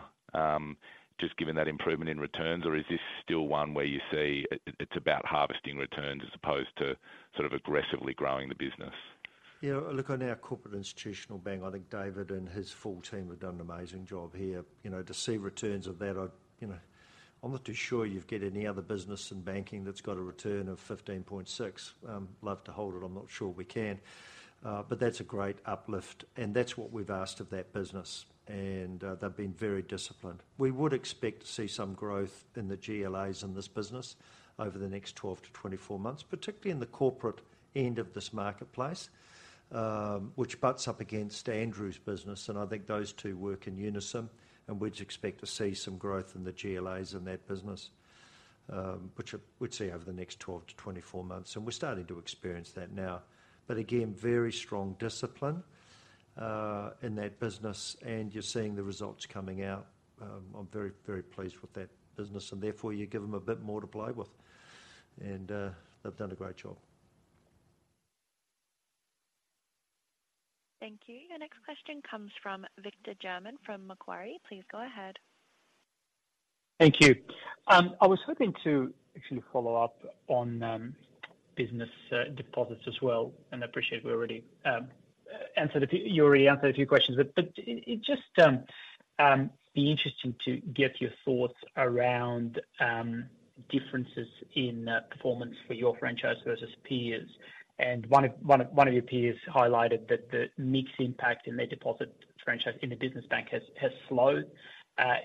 just given that improvement in returns? Or is this still one where you see it, it's about harvesting returns as opposed to sort of aggressively growing the business? Yeah, look, on our corporate institutional bank, I think David and his full team have done an amazing job here. You know, to see returns of that, I'd... You know, I'm not too sure you'd get any other business in banking that's got a return of 15.6%. Love to hold it. I'm not sure we can. But that's a great uplift, and that's what we've asked of that business, and they've been very disciplined. We would expect to see some growth in the GLAs in this business over the next 12 months-24 months, particularly in the corporate end of this marketplace, which butts up against Andrew's business, and I think those two work in unison. We'd expect to see some growth in the GLAs in that business, which we'd see over the next 12 months-24 months, and we're starting to experience that now. But again, very strong discipline in that business, and you're seeing the results coming out. I'm very, very pleased with that business, and therefore, you give them a bit more to play with, and they've done a great job. Thank you. Your next question comes from Victor German, from Macquarie. Please go ahead. Thank you. I was hoping to actually follow up on business deposits as well, and I appreciate we already answered a few... You already answered a few questions. But it just be interesting to get your thoughts around differences in performance for your franchise versus peers. And one of your peers highlighted that the mix impact in their deposit franchise in the business bank has slowed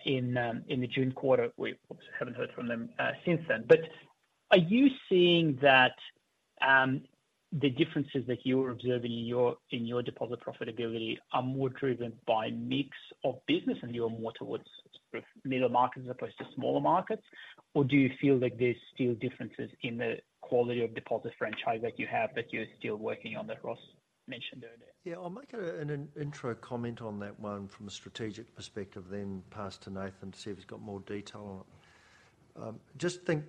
in the June quarter. We obviously haven't heard from them since then. But are you seeing that the differences that you're observing in your deposit profitability are more driven by mix of business and you're more towards sort of middle markets as opposed to smaller markets? Or do you feel like there's still differences in the quality of deposit franchise that you have, that you're still working on, that Ross mentioned earlier? Yeah, I'll make an intro comment on that one from a strategic perspective, then pass to Nathan to see if he's got more detail on it. Just think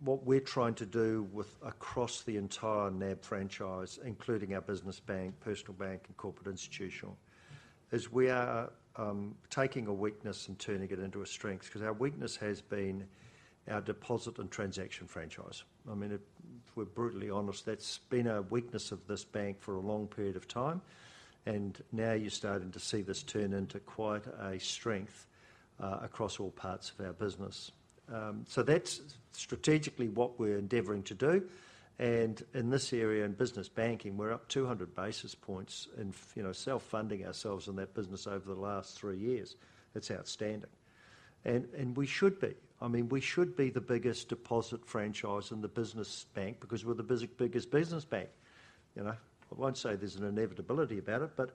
what we're trying to do across the entire NAB franchise, including our business bank, personal bank, and corporate institutional, is we are taking a weakness and turning it into a strength, 'cause our weakness has been our deposit and transaction franchise. I mean, if we're brutally honest, that's been a weakness of this bank for a long period of time, and now you're starting to see this turn into quite a strength across all parts of our business. So that's strategically what we're endeavoring to do, and in this area, in business banking, we're up 200 basis points and, you know, self-funding ourselves in that business over the last three years. That's outstanding. We should be. I mean, we should be the biggest deposit franchise in the business bank because we're the biggest business bank, you know. I won't say there's an inevitability about it, but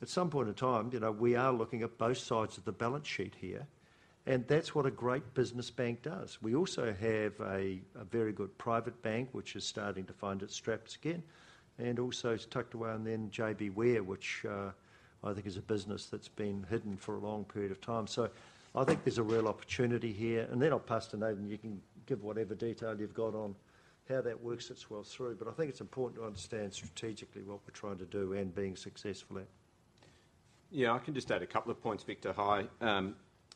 at some point in time, you know, we are looking at both sides of the balance sheet here, and that's what a great business bank does. We also have a very good private bank, which is starting to find its straps again, and also it's tucked away in the JB Were, which I think is a business that's been hidden for a long period of time. So I think there's a real opportunity here, and then I'll pass to Nathan, you can give whatever detail you've got on how that works its way through. But I think it's important to understand strategically what we're trying to do and being successful at. Yeah, I can just add a couple of points, Victor, hi.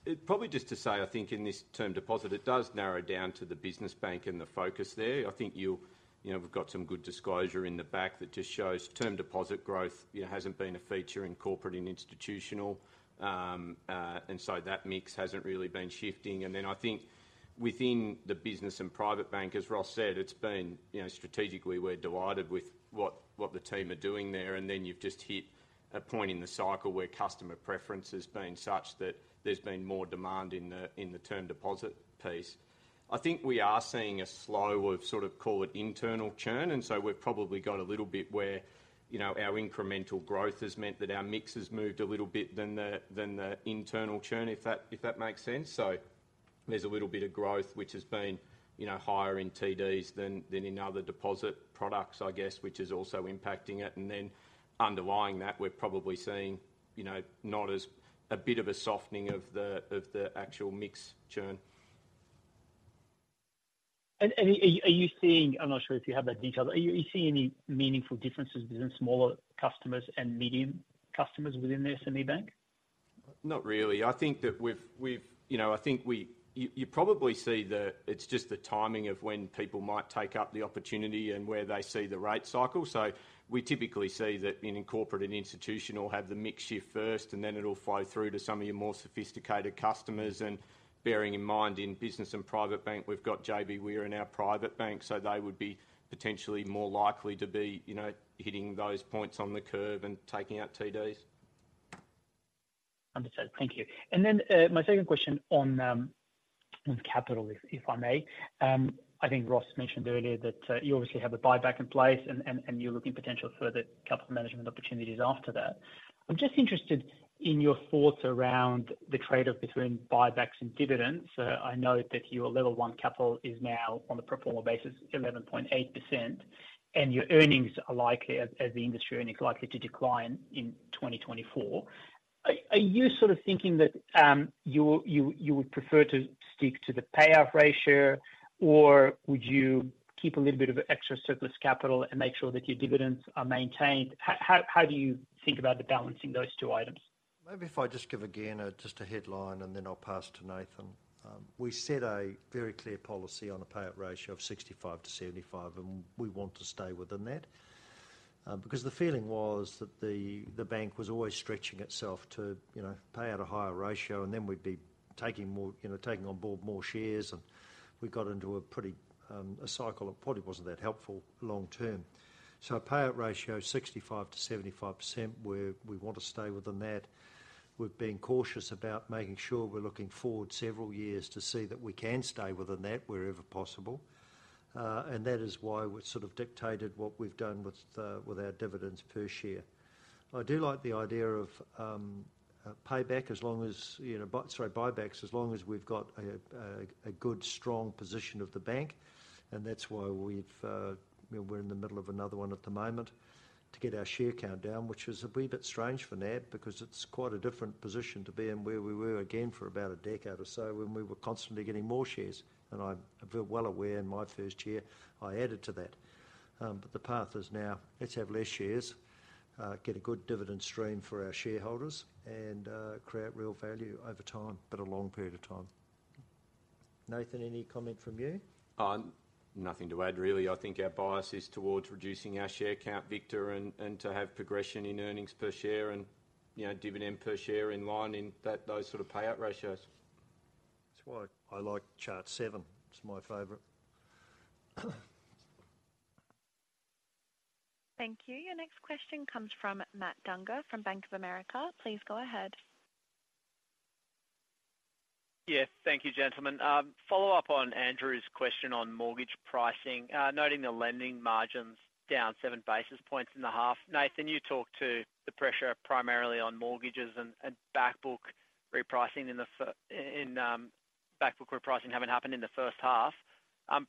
It probably just to say, I think in this term deposit, it does narrow down to the business bank and the focus there. I think you'll... You know, we've got some good disclosure in the back that just shows term deposit growth, you know, hasn't been a feature in corporate and institutional. And so that mix hasn't really been shifting. And then I think within the business and private bank, as Ross said, it's been, you know, strategically, we're delighted with what, what the team are doing there, and then you've just hit a point in the cycle where customer preference has been such that there's been more demand in the, in the term deposit piece. I think we are seeing a slowdown of, sort of, call it internal churn, and so we've probably got a little bit where, you know, our incremental growth has meant that our mix has moved a little bit more than the internal churn, if that makes sense. So there's a little bit of growth, which has been, you know, higher in TDs than in other deposit products, I guess, which is also impacting it. And then underlying that, we're probably seeing, you know, a bit of a softening of the actual mix churn. And are you seeing... I'm not sure if you have that detail. Are you seeing any meaningful differences between smaller customers and medium customers within the SME bank? Not really. I think that we've. You know, I think we. You probably see the, it's just the timing of when people might take up the opportunity and where they see the rate cycle. So we typically see that in corporate and institutional have the mix shift first, and then it'll flow through to some of your more sophisticated customers, and bearing in mind, in business and private bank, we've got JBWere in our private bank, so they would be potentially more likely to be, you know, hitting those points on the curve and taking out TDs. Understood. Thank you. And then, my second question on, on capital, if, if I may. I think Ross mentioned earlier that, you obviously have a buyback in place, and, and, and you're looking potential further capital management opportunities after that. I'm just interested in your thoughts around the trade-off between buybacks and dividends. I know that your level one capital is now, on a pro forma basis, 11.8%, and your earnings are likely, as, as the industry earnings are likely to decline in 2024. Are, are you sort of thinking that, you'll, you, you would prefer to stick to the payout ratio, or would you keep a little bit of extra surplus capital and make sure that your dividends are maintained? How, how, how do you think about the balancing those two items? Maybe if I just give again just a headline, and then I'll pass to Nathan. We set a very clear policy on a payout ratio of 65%-75%, and we want to stay within that. Because the feeling was that the bank was always stretching itself to, you know, pay out a higher ratio, and then we'd be taking more, you know, taking on board more shares, and we got into a pretty cycle that probably wasn't that helpful long term. So a payout ratio 65%-75%, where we want to stay within that. We've been cautious about making sure we're looking forward several years to see that we can stay within that wherever possible. And that is why we've sort of dictated what we've done with our dividends per share. I do like the idea of payback as long as, you know, buybacks, as long as we've got a good, strong position of the bank, and that's why we've, you know, we're in the middle of another one at the moment to get our share count down, which is a wee bit strange for NAB, because it's quite a different position to be in where we were again for about a decade or so when we were constantly getting more shares. And I'm well aware in my first year, I added to that. But the path is now, let's have less shares, get a good dividend stream for our shareholders, and create real value over time, but a long period of time. Nathan, any comment from you? Nothing to add, really. I think our bias is towards reducing our share count, Victor, and to have progression in earnings per share and, you know, dividend per share in line in that, those sort of payout ratios. That's why I like chart seven. It's my favorite. Thank you. Your next question comes from Matt Dunger from Bank of America. Please go ahead. Yeah, thank you, gentlemen. Follow up on Andrew's question on mortgage pricing, noting the lending margins down 7 basis points in the half. Nathan, you talked to the pressure primarily on mortgages and, and back book repricing having happened in the first half.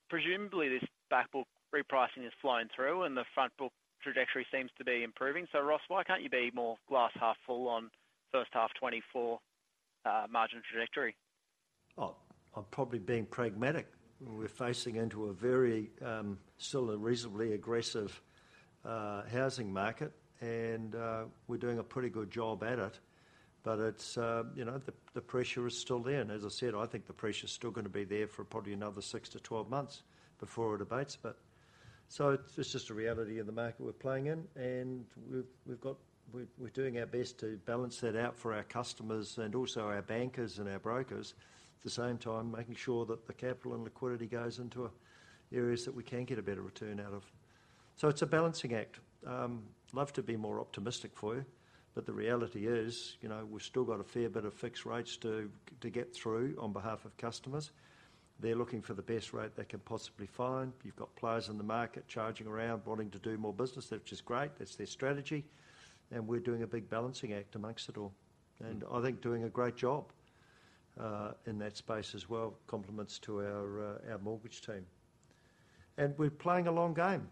Presumably, this back book repricing is flowing through, and the front book trajectory seems to be improving. So Ross, why can't you be more glass half full on first half 2024, margin trajectory? Oh, I'm probably being pragmatic. We're facing into a very, still a reasonably aggressive, housing market, and, we're doing a pretty good job at it. But it's, you know, the, the pressure is still there. And as I said, I think the pressure's still gonna be there for probably another 6 months-12 months before it abates. So it's just a reality in the market we're playing in, and we've got—we're doing our best to balance that out for our customers and also our bankers and our brokers. At the same time, making sure that the capital and liquidity goes into, areas that we can get a better return out of. So it's a balancing act. Love to be more optimistic for you, but the reality is, you know, we've still got a fair bit of fixed rates to get through on behalf of customers. They're looking for the best rate they can possibly find. You've got players in the market charging around, wanting to do more business, which is great, that's their strategy, and we're doing a big balancing act amongst it all. And I think doing a great job in that space as well. Compliments to our mortgage team. And we're playing a long game.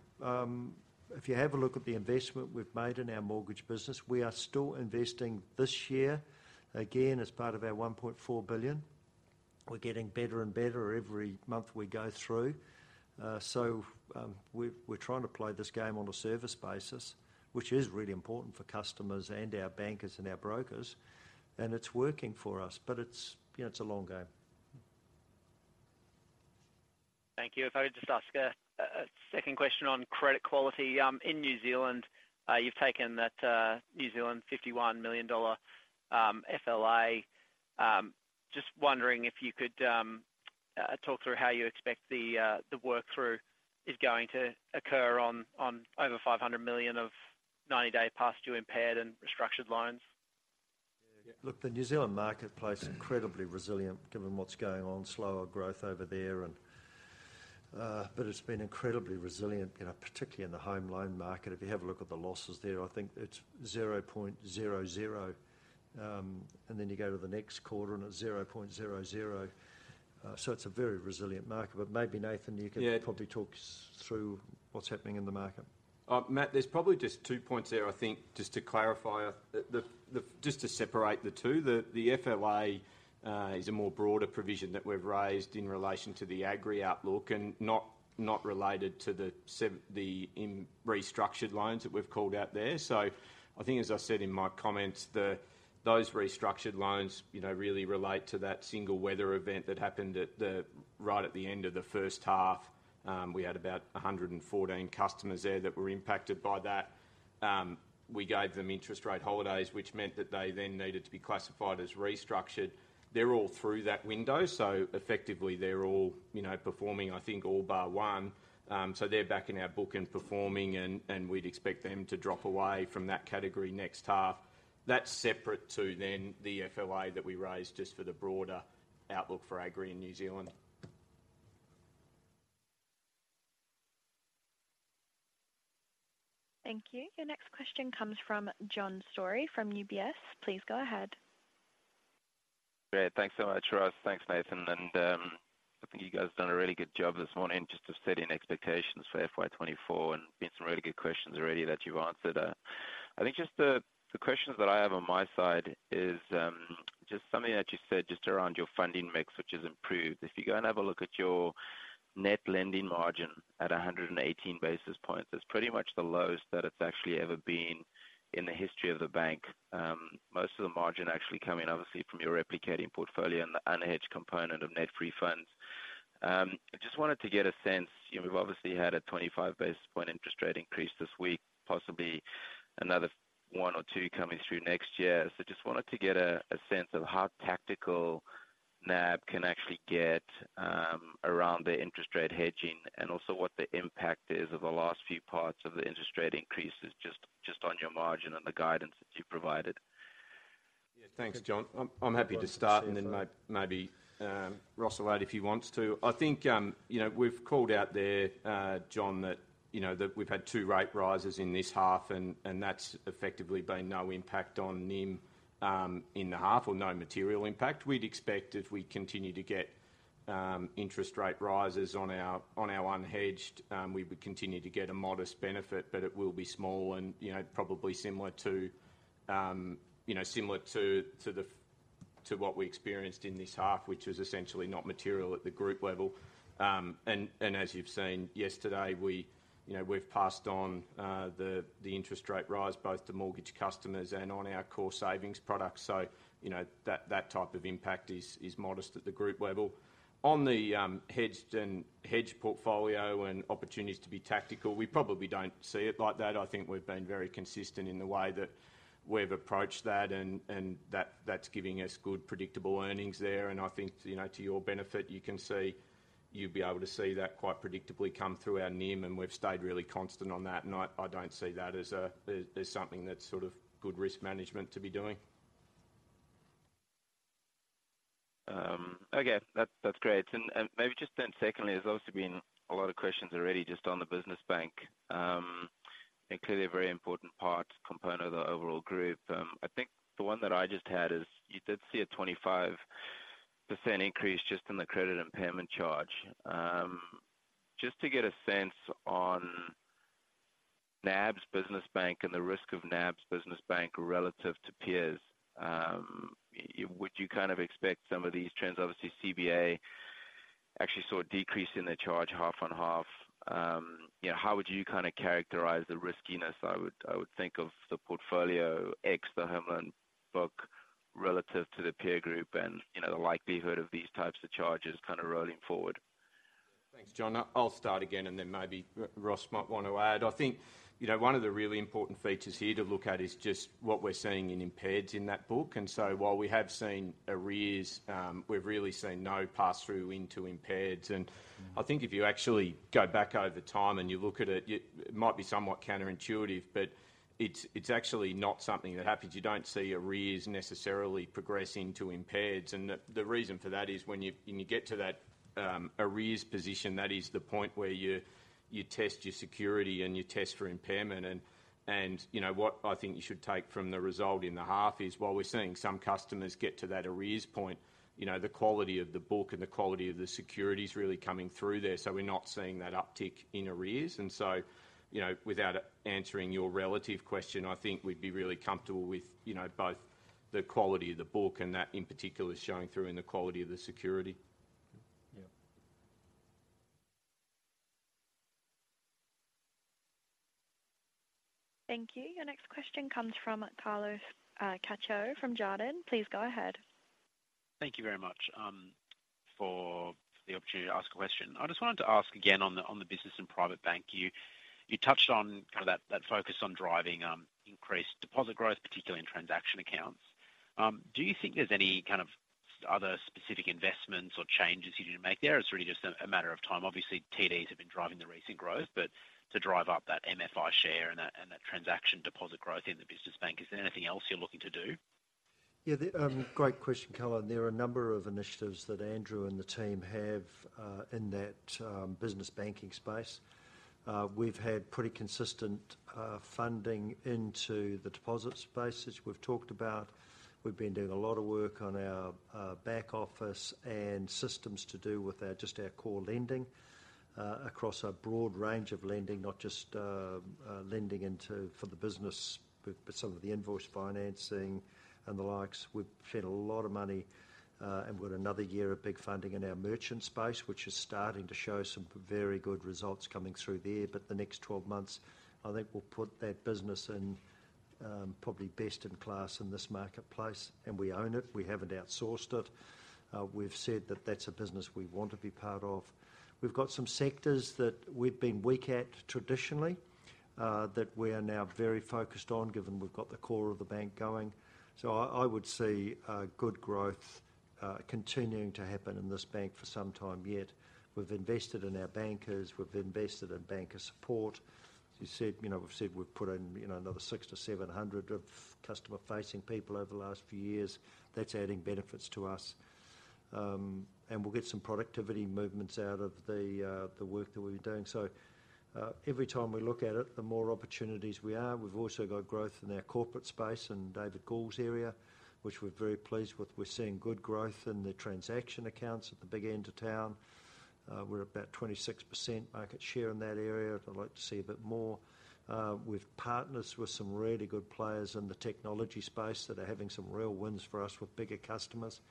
If you have a look at the investment we've made in our mortgage business, we are still investing this year, again, as part of our 1.4 billion. We're getting better and better every month we go through. We're trying to play this game on a service basis, which is really important for customers and our bankers and our brokers, and it's working for us, but it's, you know, it's a long game. Thank you. If I could just ask a second question on credit quality. In New Zealand, you've taken that New Zealand 51 million New Zealand dollars FLA. Just wondering if you could talk through how you expect the workthrough is going to occur on over 500 million of 90-day past due impaired and restructured loans? Yeah, look, the New Zealand marketplace, incredibly resilient given what's going on, slower growth over there and. But it's been incredibly resilient, you know, particularly in the home loan market. If you have a look at the losses there, I think it's 0.00. And then you go to the next quarter, and it's 0.00. So it's a very resilient market, but maybe, Nathan, you can- Yeah. Probably talk us through what's happening in the market. Matt, there's probably just two points there, I think, just to clarify, Just to separate the two. The FLA is a more broader provision that we've raised in relation to the agri outlook and not related to the restructured loans that we've called out there. So I think, as I said in my comments, those restructured loans, you know, really relate to that single weather event that happened right at the end of the first half. We had about 114 customers there that were impacted by that. We gave them interest rate holidays, which meant that they then needed to be classified as restructured. They're all through that window, so effectively, they're all, you know, performing, I think, all bar one. So they're back in our book and performing, and we'd expect them to drop away from that category next half. That's separate to, then the FLA that we raised just for the broader outlook for agri in New Zealand. Thank you. Your next question comes from John Storey from UBS. Please go ahead. Great. Thanks so much, Ross. Thanks, Nathan, and I think you guys have done a really good job this morning just of setting expectations for FY 2024 and been some really good questions already that you've answered there. I think just the questions that I have on my side is just something that you said just around your funding mix, which has improved. If you go and have a look at your net lending margin at 118 basis points, that's pretty much the lowest that it's actually ever been in the history of the bank. Most of the margin actually coming obviously from your replicating portfolio and the unhedged component of net free funds. I just wanted to get a sense, you know, we've obviously had a 25 basis point interest rate increase this week, possibly another one or two coming through next year. So just wanted to get a sense of how tactical NAB can actually get around the interest rate hedging, and also what the impact is of the last few parts of the interest rate increases, just on your margin and the guidance that you've provided. Yeah, thanks, John. I'm happy to start- Sure. and then Ross will add if he wants to. I think, you know, we've called out there, John, that, you know, that we've had two rate rises in this half and, and that's effectively been no impact on NIM, in the half, or no material impact. We'd expect if we continue to get, interest rate rises on our, on our unhedged, we would continue to get a modest benefit, but it will be small and, you know, probably similar to, you know, similar to, to the, to what we experienced in this half, which is essentially not material at the group level. And, and as you've seen yesterday, we, you know, we've passed on, the, the interest rate rise both to mortgage customers and on our core savings products. So, you know, that type of impact is modest at the group level. On the hedged and hedge portfolio and opportunities to be tactical, we probably don't see it like that. I think we've been very consistent in the way that we've approached that and that's giving us good, predictable earnings there. And I think, you know, to your benefit, you can see you'd be able to see that quite predictably come through our NIM, and we've stayed really constant on that. And I don't see that as something that's sort of good risk management to be doing. Okay. That's, that's great. And, and maybe just then secondly, there's also been a lot of questions already just on the business bank. And clearly a very important part, component of the overall group. I think the one that I just had is, you did see a 25% increase just in the credit impairment charge. Just to get a sense on NAB's business bank and the risk of NAB's business bank relative to peers, would you kind of expect some of these trends? Obviously, CBA actually saw a decrease in their charge half-on-half. You know, how would you kinda characterize the riskiness, I would, I would think of the portfolio ex the home loan book? Relative to the peer group and, you know, the likelihood of these types of charges kind of rolling forward? Thanks, John. I'll start again, and then maybe Ross might want to add. I think, you know, one of the really important features here to look at is just what we're seeing in impairments in that book. And so while we have seen arrears, we've really seen no pass-through into impairments. And I think if you actually go back over time and you look at it, it might be somewhat counterintuitive, but it's, it's actually not something that happens. You don't see arrears necessarily progress into impairments, and the, the reason for that is when you, when you get to that arrears position, that is the point where you, you test your security and you test for impairment. You know, what I think you should take from the result in the half is, while we're seeing some customers get to that arrears point, you know, the quality of the book and the quality of the security is really coming through there, so we're not seeing that uptick in arrears. And so, you know, without answering your relative question, I think we'd be really comfortable with, you know, both the quality of the book and that, in particular, showing through in the quality of the security. Yeah. Thank you. Your next question comes from Carlos Cacho from Jarden. Please go ahead. Thank you very much, for the opportunity to ask a question. I just wanted to ask again on the, on the business and private bank. You, you touched on kind of that, that focus on driving, increased deposit growth, particularly in transaction accounts. Do you think there's any kind of other specific investments or changes you need to make there, or it's really just a, a matter of time? Obviously, TDs have been driving the recent growth, but to drive up that MFI share and that, and that transaction deposit growth in the business bank, is there anything else you're looking to do? Yeah, great question, Carlos. There are a number of initiatives that Andrew and the team have in that business banking space. We've had pretty consistent funding into the deposit space, as we've talked about. We've been doing a lot of work on our back office and systems to do with our just our core lending across a broad range of lending, not just lending into for the business, but some of the invoice financing and the likes. We've spent a lot of money, and we've got another year of big funding in our merchant space, which is starting to show some very good results coming through there. But the next 12 months, I think we'll put that business in probably best in class in this marketplace, and we own it. We haven't outsourced it. We've said that that's a business we want to be part of. We've got some sectors that we've been weak at traditionally that we are now very focused on, given we've got the core of the bank going. So I would see good growth continuing to happen in this bank for some time yet. We've invested in our bankers, we've invested in banker support. As you said, you know, we've said we've put in, you know, another 600 customer-700 customer-facing people over the last few years. That's adding benefits to us. And we'll get some productivity movements out of the the work that we've been doing. So every time we look at it, the more opportunities we are. We've also got growth in our corporate space and David Gall area, which we're very pleased with. We're seeing good growth in the transaction accounts at the big end of town. We're about 26% market share in that area. I'd like to see a bit more. We've partners with some really good players in the technology space that are having some real wins for us with bigger customers.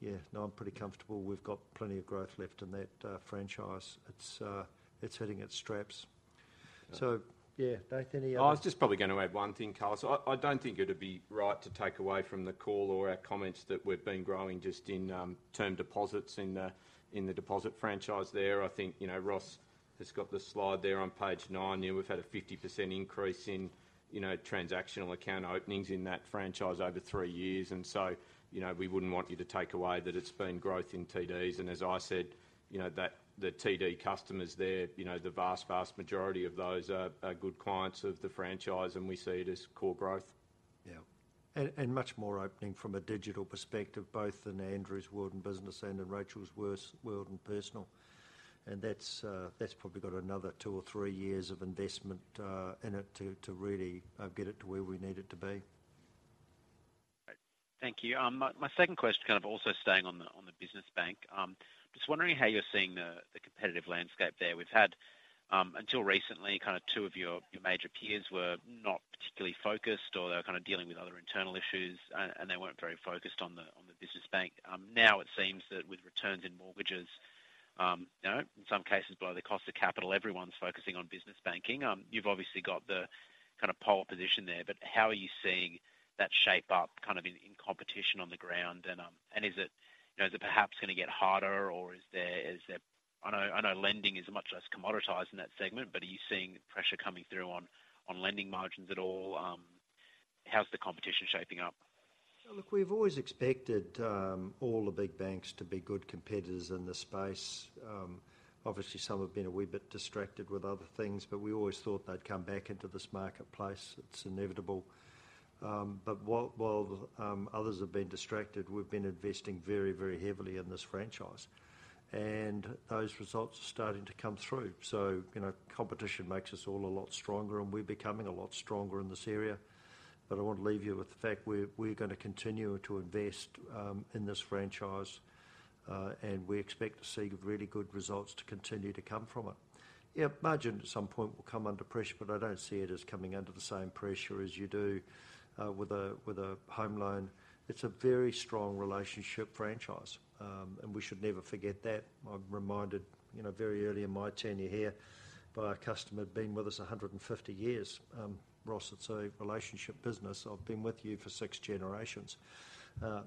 Yeah, no, I'm pretty comfortable we've got plenty of growth left in that franchise. It's, it's hitting its straps. So, yeah, Dave, any other- I was just probably going to add one thing, Carlos. I don't think it'd be right to take away from the call or our comments that we've been growing just in term deposits in the deposit franchise there. I think, you know, Ross has got the slide there on page nine, yeah, we've had a 50% increase in, you know, transactional account openings in that franchise over three years. And so, you know, we wouldn't want you to take away that it's been growth in TDs. And as I said, you know, that the TD customers there, you know, the vast, vast majority of those are good clients of the franchise, and we see it as core growth. Yeah. And much more opening from a digital perspective, both in Andrew's world and business and in Rachel's world and personal. And that's probably got another two or three years of investment in it to really get it to where we need it to be. Great. Thank you. My, my second question, kind of, also staying on the, on the business bank. Just wondering how you're seeing the, the competitive landscape there. We've had, until recently, kind of, two of your, your major peers were not particularly focused, or they were kind of dealing with other internal issues, and they weren't very focused on the, on the business bank. Now it seems that with returns in mortgages, you know, in some cases, below the cost of capital, everyone's focusing on business banking. You've obviously got the, kind of, pole position there, but how are you seeing that shape up, kind of, in, in competition on the ground? And, and is it, you know, is it perhaps going to get harder, or is there, is there... I know, I know lending is much less commoditized in that segment, but are you seeing pressure coming through on lending margins at all? How's the competition shaping up? Look, we've always expected all the big banks to be good competitors in this space. Obviously, some have been a wee bit distracted with other things, but we always thought they'd come back into this marketplace. It's inevitable. But while others have been distracted, we've been investing very, very heavily in this franchise, and those results are starting to come through. So, you know, competition makes us all a lot stronger, and we're becoming a lot stronger in this area. But I want to leave you with the fact we're going to continue to invest in this franchise, and we expect to see really good results to continue to come from it. Yeah, margin at some point will come under pressure, but I don't see it as coming under the same pressure as you do, with a home loan. It's a very strong relationship franchise, and we should never forget that. I'm reminded, you know, very early in my tenure here by a customer being with us 150 years. Ross, it's a relationship business. I've been with you for six generations.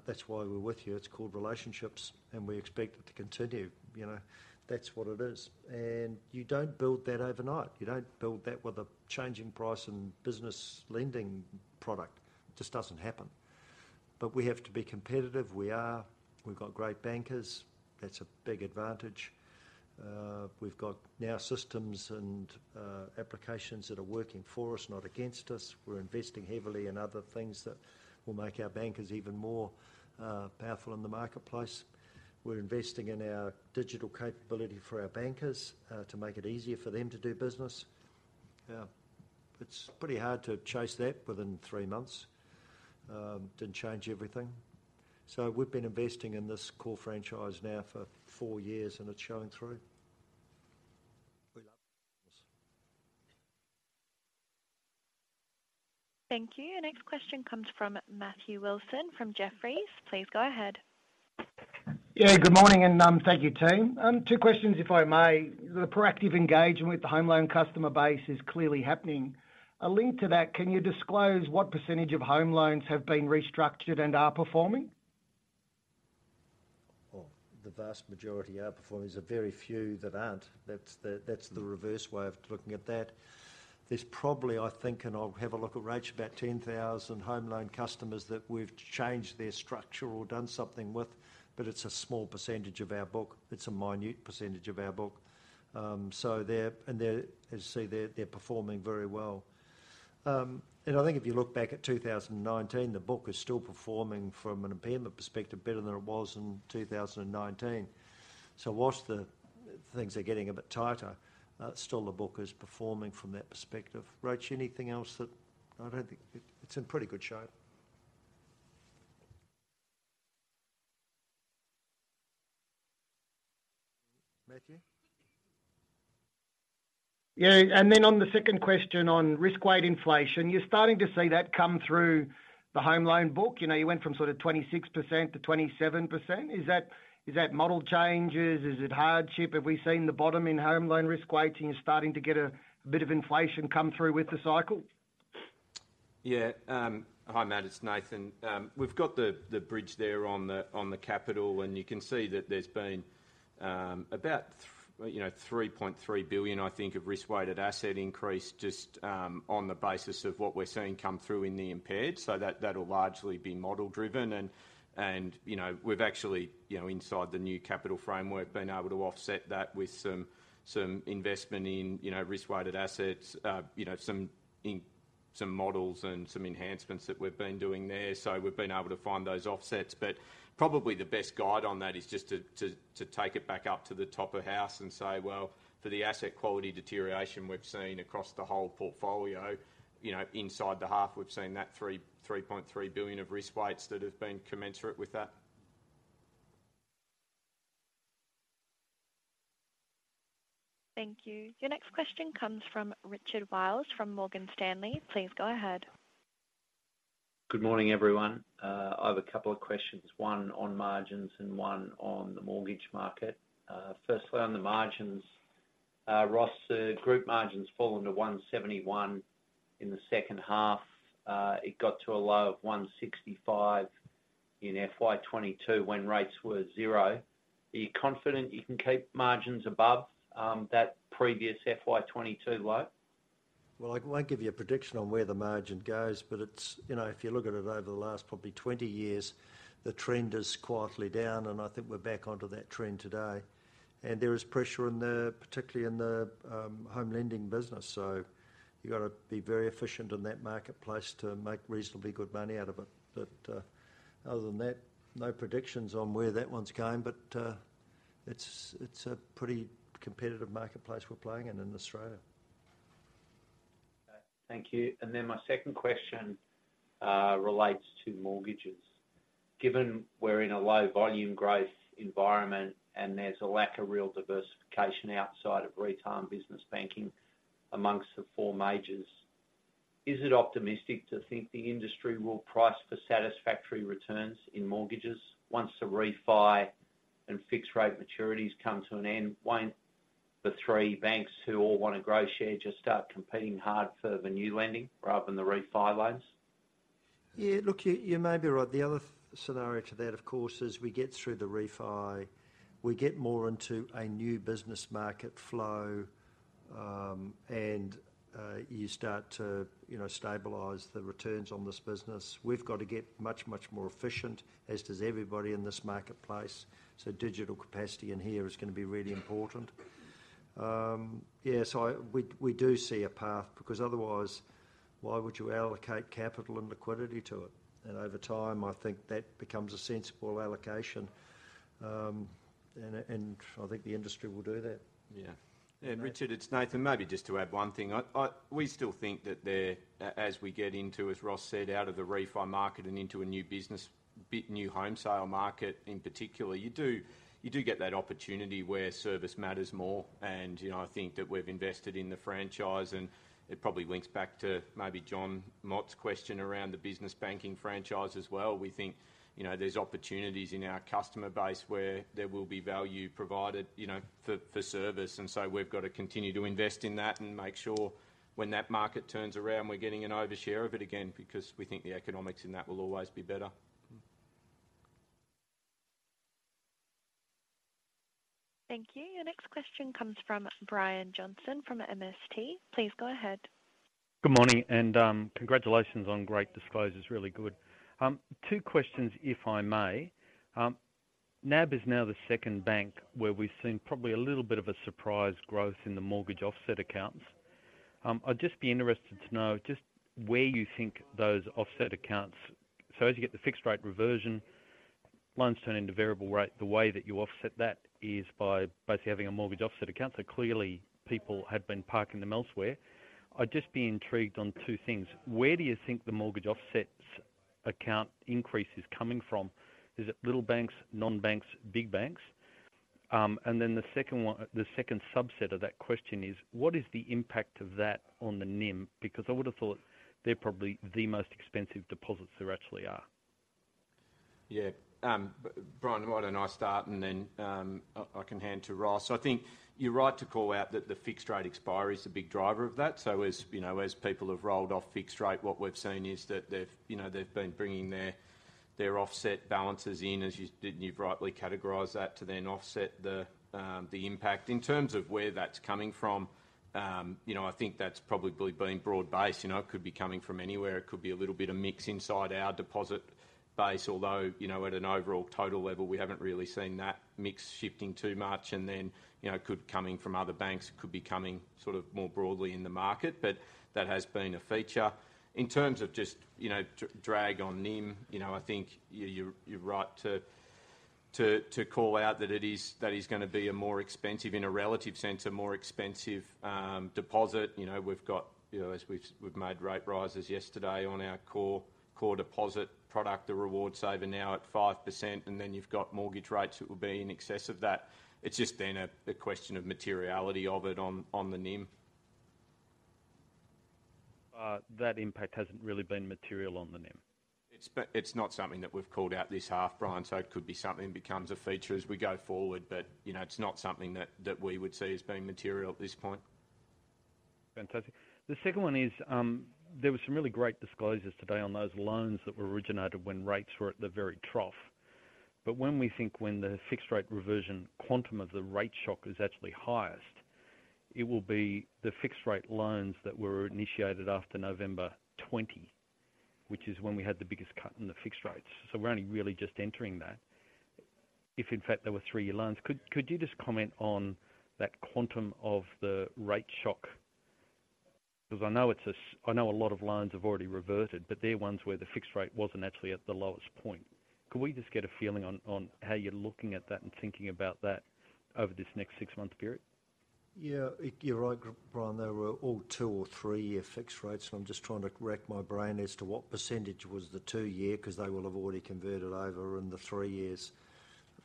That's why we're with you. It's called relationships, and we expect it to continue. You know, that's what it is. And you don't build that overnight. You don't build that with a changing price and business lending product. It just doesn't happen... but we have to be competitive. We are. We've got great bankers. That's a big advantage. We've got now systems and applications that are working for us, not against us. We're investing heavily in other things that will make our bankers even more powerful in the marketplace. We're investing in our digital capability for our bankers, to make it easier for them to do business. Yeah, it's pretty hard to chase that within three months, to change everything. So we've been investing in this core franchise now for four years, and it's showing through. We love- Thank you. Our next question comes from Matthew Wilson from Jefferies. Please go ahead. Yeah, good morning, and, thank you, team. Two questions, if I may. The proactive engagement with the home loan customer base is clearly happening. A link to that, can you disclose what percentage of home loans have been restructured and are performing? Well, the vast majority are performing. There's a very few that aren't. That's the reverse way of looking at that. There's probably, I think, and I'll have a look at Rach, about 10,000 home loan customers that we've changed their structure or done something with, but it's a small percentage of our book. It's a minute percentage of our book. So they're, and they're, as you see, they're performing very well. And I think if you look back at 2019, the book is still performing from an impairment perspective, better than it was in 2019. So whilst the things are getting a bit tighter, still the book is performing from that perspective. Rach, anything else that... I don't think. It's in pretty good shape. Matthew? Yeah, and then on the second question on risk-weight inflation, you're starting to see that come through the home loan book. You know, you went from sort of 26% to 27%. Is that, is that model changes? Is it hardship? Have we seen the bottom in home loan risk weighting, and you're starting to get a bit of inflation come through with the cycle? Yeah, hi, Matt, it's Nathan. We've got the bridge there on the capital, and you can see that there's been about, you know, 3.3 billion, I think, of risk-weighted asset increase, just on the basis of what we're seeing come through in the impaired. So that will largely be model-driven, and, you know, we've actually, you know, inside the new capital framework, been able to offset that with some investment in, you know, risk-weighted assets, you know, some in models and some enhancements that we've been doing there. So we've been able to find those offsets, but probably the best guide on that is just to take it back up to the top of house and say, "Well, for the asset quality deterioration we've seen across the whole portfolio, you know, inside the half, we've seen that 3.3 billion of risk weights that have been commensurate with that. Thank you. Your next question comes from Richard Wiles, from Morgan Stanley. Please go ahead. Good morning, everyone. I have a couple of questions, one on margins and one on the mortgage market. Firstly, on the margins, Ross, group margins fell to 171 in the second half. It got to a low of 165 in FY 2022, when rates were zero. Are you confident you can keep margins above that previous FY 2022 low? Well, I won't give you a prediction on where the margin goes, but it's... You know, if you look at it over the last probably 20 years, the trend is quietly down, and I think we're back onto that trend today. And there is pressure in the, particularly in the, home lending business, so you've got to be very efficient in that marketplace to make reasonably good money out of it. But, other than that, no predictions on where that one's going, but, it's, it's a pretty competitive marketplace we're playing in, in Australia. Thank you. And then my second question relates to mortgages. Given we're in a low volume growth environment, and there's a lack of real diversification outside of retail and business banking amongst the four majors, is it optimistic to think the industry will price for satisfactory returns in mortgages once the refi and fixed-rate maturities come to an end? Won't the three banks, who all want to grow share, just start competing hard for the new lending rather than the refi loans? Yeah, look, you, you may be right. The other scenario to that, of course, is we get through the refi, we get more into a new business market flow, and you start to, you know, stabilize the returns on this business. We've got to get much, much more efficient, as does everybody in this marketplace, so digital capacity in here is going to be really important. Yeah, so we, we do see a path, because otherwise, why would you allocate capital and liquidity to it? And over time, I think that becomes a sensible allocation, and I think the industry will do that. Yeah. Yeah, Richard, it's Nathan. Maybe just to add one thing. I—we still think that there, as we get into, as Ross said, out of the refi market and into a new business, bit new home sale market in particular, you do get that opportunity where service matters more. And, you know, I think that we've invested in the franchise, and it probably links back to maybe Jonathan Mott's question around the business banking franchise as well. We think, you know, there's opportunities in our customer base where there will be value provided, you know, for, for service, and so we've got to continue to invest in that and make sure when that market turns around, we're getting an overshare of it again, because we think the economics in that will always be better. Thank you. Your next question comes from Brian Johnson from MST. Please go ahead. Good morning, and congratulations on great disclosures. Really good. Two questions, if I may. NAB is now the second bank where we've seen probably a little bit of a surprise growth in the mortgage offset accounts. I'd just be interested to know just where you think those offset accounts... So as you get the fixed rate reversion, loans turn into variable rate, the way that you offset that is by basically having a mortgage offset account. So clearly, people have been parking them elsewhere. I'd just be intrigued on two things. Where do you think the mortgage offsets account increase is coming from? Is it little banks, non-banks, big banks? And then the second one, the second subset of that question is: what is the impact of that on the NIM? Because I would have thought they're probably the most expensive deposits there actually are. Yeah. Brian, why don't I start, and then I can hand to Ross. I think you're right to call out that the fixed-rate expiry is a big driver of that. So as, you know, as people have rolled off fixed rate, what we've seen is that they've, you know, they've been bringing their offset balances in, as you did-- you've rightly categorised that, to then offset the impact. In terms of where that's coming from, you know, I think that's probably been broad-based. You know, it could be coming from anywhere. It could be a little bit of mix inside our deposit base, although, you know, at an overall total level, we haven't really seen that mix shifting too much. Then, you know, it could be coming from other banks, it could be coming sort of more broadly in the market, but that has been a feature. In terms of just, you know, drag on NIM, you know, I think you're right to call out that it is, that is gonna be a more expensive, in a relative sense, a more expensive deposit. You know, we've got. You know, as we've made rate rises yesterday on our core deposit product, the Reward Saver now at 5%, and then you've got mortgage rates that will be in excess of that. It's just been a question of materiality of it on the NIM. That impact hasn't really been material on the NIM? It's not something that we've called out this half, Brian, so it could be something that becomes a feature as we go forward. But, you know, it's not something that we would see as being material at this point. Fantastic. The second one is, there were some really great disclosures today on those loans that were originated when rates were at the very trough. But when we think the fixed-rate reversion quantum of the rate shock is actually highest, it will be the fixed-rate loans that were initiated after November 2020, which is when we had the biggest cut in the fixed rates. So we're only really just entering that. If, in fact, they were three-year loans, could you just comment on that quantum of the rate shock? 'Cause I know a lot of loans have already reverted, but they're ones where the fixed rate wasn't actually at the lowest point. Could we just get a feeling on how you're looking at that and thinking about that over this next six-month period? Yeah, you're right, Brian, they were all two-year or three-year fixed rates, and I'm just trying to rack my brain as to what percentage was the two-year, 'cause they will have already converted over, and the three years.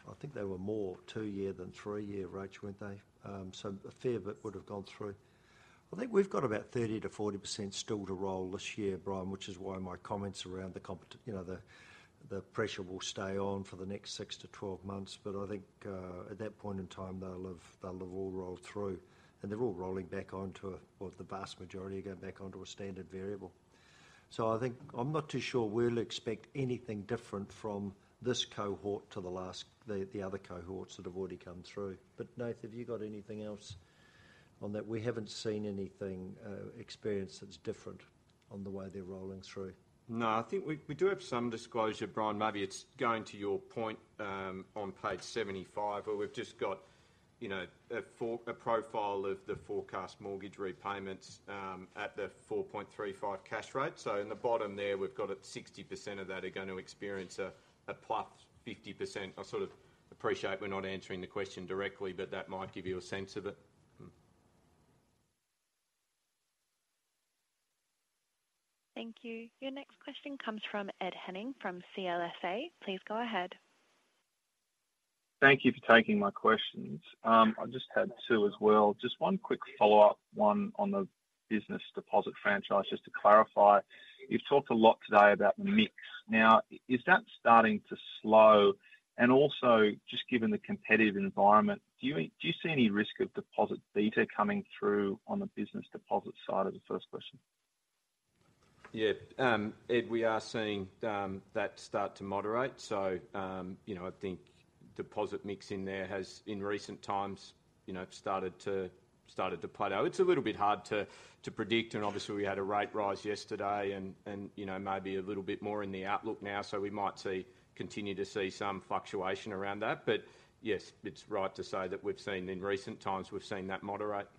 I think they were more two-year than three-year rates, weren't they? So a fair bit would have gone through. I think we've got about 30%-40% still to roll this year, Brian, which is why my comments around the competition—you know, the pressure will stay on for the next 6 months-12 months. But I think, at that point in time, they'll have, they'll have all rolled through, and they're all rolling back onto a... Well, the vast majority are going back onto a standard variable. So I think, I'm not too sure we'll expect anything different from this cohort to the last, the other cohorts that have already come through. But, Nath, have you got anything else on that? We haven't seen anything, experience that's different on the way they're rolling through. No, I think we do have some disclosure, Brian, maybe it's going to your point on Page 75, where we've just got, you know, a profile of the forecast mortgage repayments at the 4.35 cash rate. So in the bottom there, we've got that 60% of that are going to experience a +50%. I sort of appreciate we're not answering the question directly, but that might give you a sense of it. Thank you. Your next question comes from Ed Henning from CLSA. Please go ahead. Thank you for taking my questions. I just had two as well. Just one quick follow-up, one on the business deposit franchise, just to clarify. You've talked a lot today about the mix. Now, is that starting to slow? And also, just given the competitive environment, do you, do you see any risk of deposit beta coming through on the business deposit side of the first question? Yeah. Ed, we are seeing that start to moderate. So, you know, I think deposit mix in there has, in recent times, you know, started to plateau. It's a little bit hard to predict, and obviously, we had a rate rise yesterday and, you know, maybe a little bit more in the outlook now, so we might continue to see some fluctuation around that. But yes, it's right to say that we've seen, in recent times, we've seen that moderate....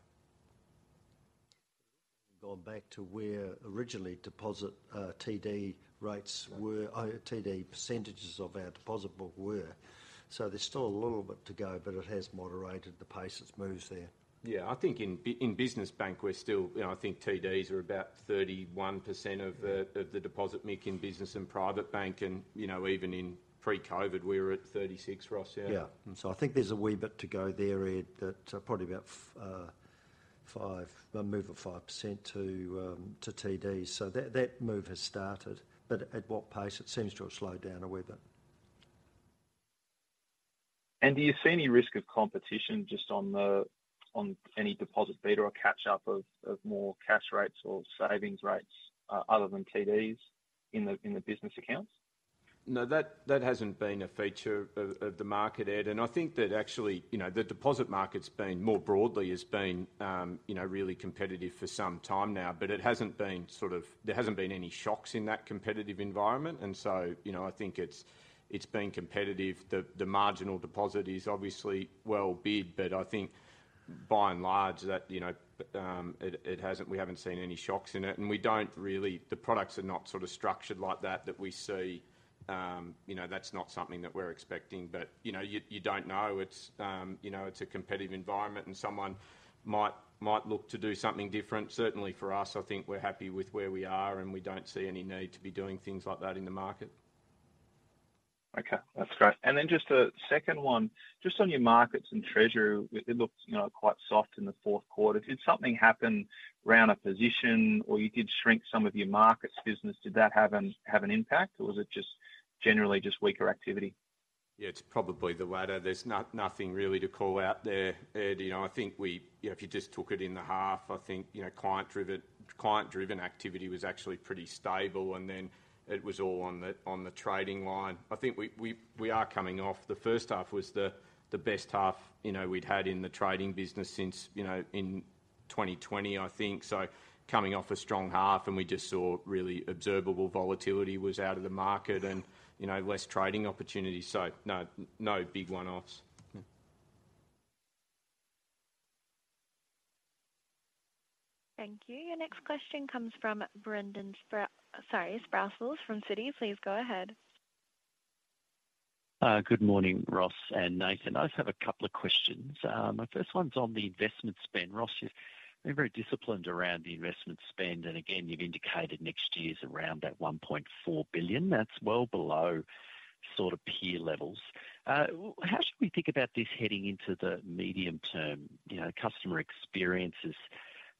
gone back to where originally deposit TD rates were, TD percentages of our deposit book were. So there's still a little bit to go, but it has moderated the pace it's moved there. Yeah, I think in business bank, we're still... You know, I think TDs are about 31% of the deposit mix in business and private bank, and, you know, even in pre-COVID, we were at 36, Ross, yeah? Yeah. And so I think there's a wee bit to go there, Ed, that probably about five, a move of 5% to TDs. So that, that move has started, but at what pace? It seems to have slowed down a wee bit. Do you see any risk of competition just on the, on any deposit beta or catch-up of, of more cash rates or savings rates, other than TDs in the, in the business accounts? ... No, that, that hasn't been a feature of, of the market, Ed, and I think that actually, you know, the deposit market's been more broadly, has been, you know, really competitive for some time now, but it hasn't been sort of, there hasn't been any shocks in that competitive environment. And so, you know, I think it's, it's been competitive. The, the marginal deposit is obviously well bid, but I think by and large that, you know, it, it hasn't, we haven't seen any shocks in it, and we don't really... the products are not sort of structured like that, that we see, you know, that's not something that we're expecting. But, you know, you, you don't know. It's, you know, it's a competitive environment, and someone might, might look to do something different. Certainly for us, I think we're happy with where we are, and we don't see any need to be doing things like that in the market. Okay, that's great. And then just a second one, just on your markets and treasury, it looked, you know, quite soft in the fourth quarter. Did something happen around a position, or you did shrink some of your markets business? Did that have an impact, or was it just generally just weaker activity? Yeah, it's probably the latter. There's nothing really to call out there, Ed. You know, I think we... You know, if you just took it in the half, I think, you know, client-driven, client-driven activity was actually pretty stable, and then it was all on the trading line. I think we are coming off. The first half was the best half, you know, we'd had in the trading business since, you know, in 2020, I think. So coming off a strong half, and we just saw really observable volatility was out of the market and, you know, less trading opportunities. So no big one-offs. Thank you. Your next question comes from Brendan Sprou- sorry, Sproules from Citi. Please go ahead. Good morning, Ross and Nathan. I just have a couple of questions. My first one's on the investment spend. Ross, you've been very disciplined around the investment spend, and again, you've indicated next year's around 1.4 billion. That's well below sort of peer levels. How should we think about this heading into the medium term? You know, customer experience is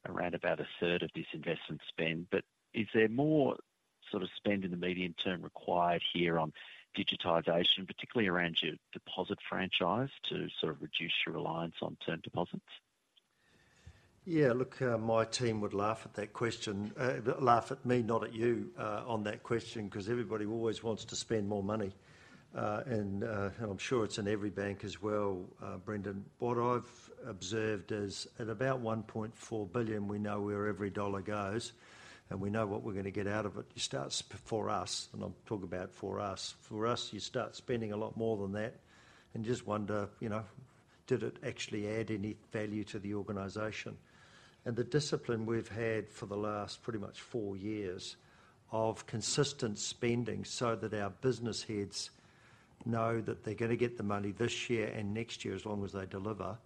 around about a third of this investment spend, but is there more sort of spend in the medium term required here on digitization, particularly around your deposit franchise, to sort of reduce your reliance on term deposits? Yeah, look, my team would laugh at that question. Laugh at me, not at you, on that question, 'cause everybody always wants to spend more money. And I'm sure it's in every bank as well, Brendan. What I've observed is at about 1.4 billion, we know where every dollar goes, and we know what we're going to get out of it. It starts before us, and I'll talk about for us. For us, you start spending a lot more than that and just wonder, you know, did it actually add any value to the organization? The discipline we've had for the last pretty much four years of consistent spending so that our business heads know that they're going to get the money this year and next year, as long as they deliver,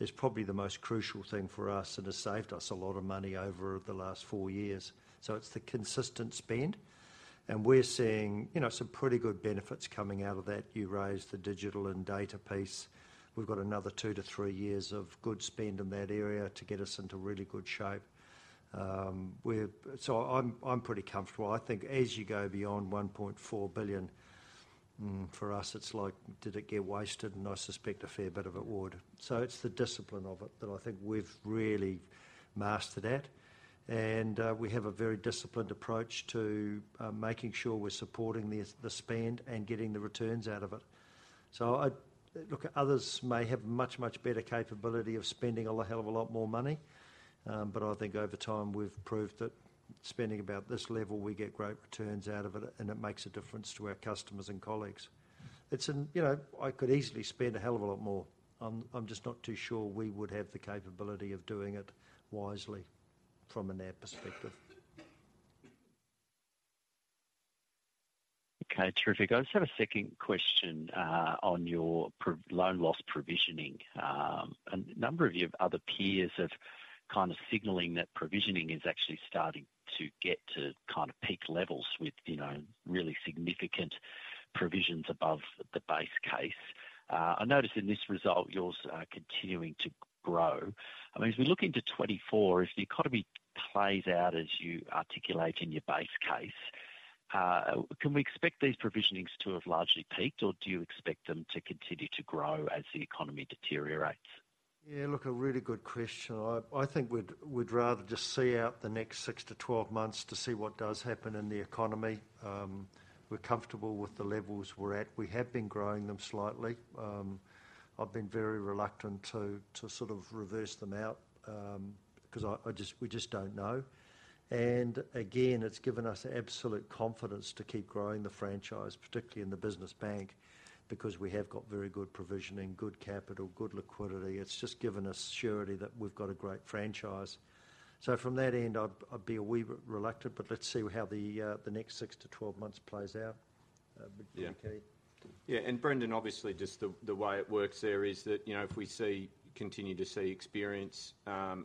is probably the most crucial thing for us, and has saved us a lot of money over the last four years. So it's the consistent spend, and we're seeing, you know, some pretty good benefits coming out of that. You raised the digital and data piece. We've got another 2-3 years of good spend in that area to get us into really good shape. So I'm pretty comfortable. I think as you go beyond 1.4 billion, for us, it's like, did it get wasted? And I suspect a fair bit of it would. So it's the discipline of it that I think we've really mastered at, and we have a very disciplined approach to making sure we're supporting the spend and getting the returns out of it. So I... Look, others may have much, much better capability of spending a hell of a lot more money, but I think over time we've proved that spending about this level, we get great returns out of it, and it makes a difference to our customers and colleagues. It's an-- You know, I could easily spend a hell of a lot more. I'm just not too sure we would have the capability of doing it wisely from a NAB perspective. Okay, terrific. I just have a second question on your loan loss provisioning. A number of your other peers are kind of signaling that provisioning is actually starting to get to kind of peak levels with, you know, really significant provisions above the base case. I noticed in this result, yours are continuing to grow. I mean, as we look into 2024, if the economy plays out as you articulate in your base case, can we expect these provisionings to have largely peaked, or do you expect them to continue to grow as the economy deteriorates? Yeah, look, a really good question. I think we'd rather just see out the next 6 months-12 months to see what does happen in the economy. We're comfortable with the levels we're at. We have been growing them slightly. I've been very reluctant to sort of reverse them out, because we just don't know. And again, it's given us absolute confidence to keep growing the franchise, particularly in the business bank, because we have got very good provisioning, good capital, good liquidity. It's just given us surety that we've got a great franchise. So from that end, I'd be a wee bit reluctant, but let's see how the next 6 months-12 months plays out. But yeah. Yeah, and Brendan, obviously, just the way it works there is that, you know, if we continue to see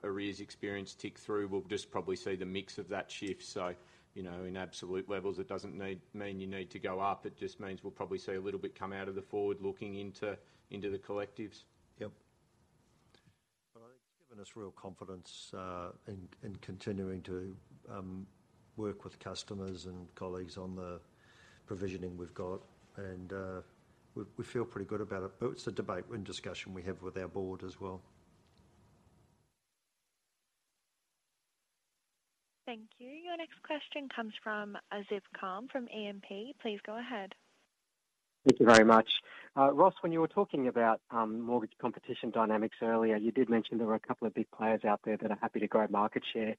arrears experience tick through, we'll just probably see the mix of that shift. So, you know, in absolute levels, it doesn't mean you need to go up. It just means we'll probably see a little bit come out of the forward-looking into the collectives. Yep. But I think it's given us real confidence in continuing to work with customers and colleagues on the provisioning we've got, and we feel pretty good about it. But it's a debate and discussion we have with our board as well.... Thank you. Your next question comes from Azib Khan from E&P. Please go ahead. Thank you very much. Ross, when you were talking about mortgage competition dynamics earlier, you did mention there were a couple of big players out there that are happy to grow market share,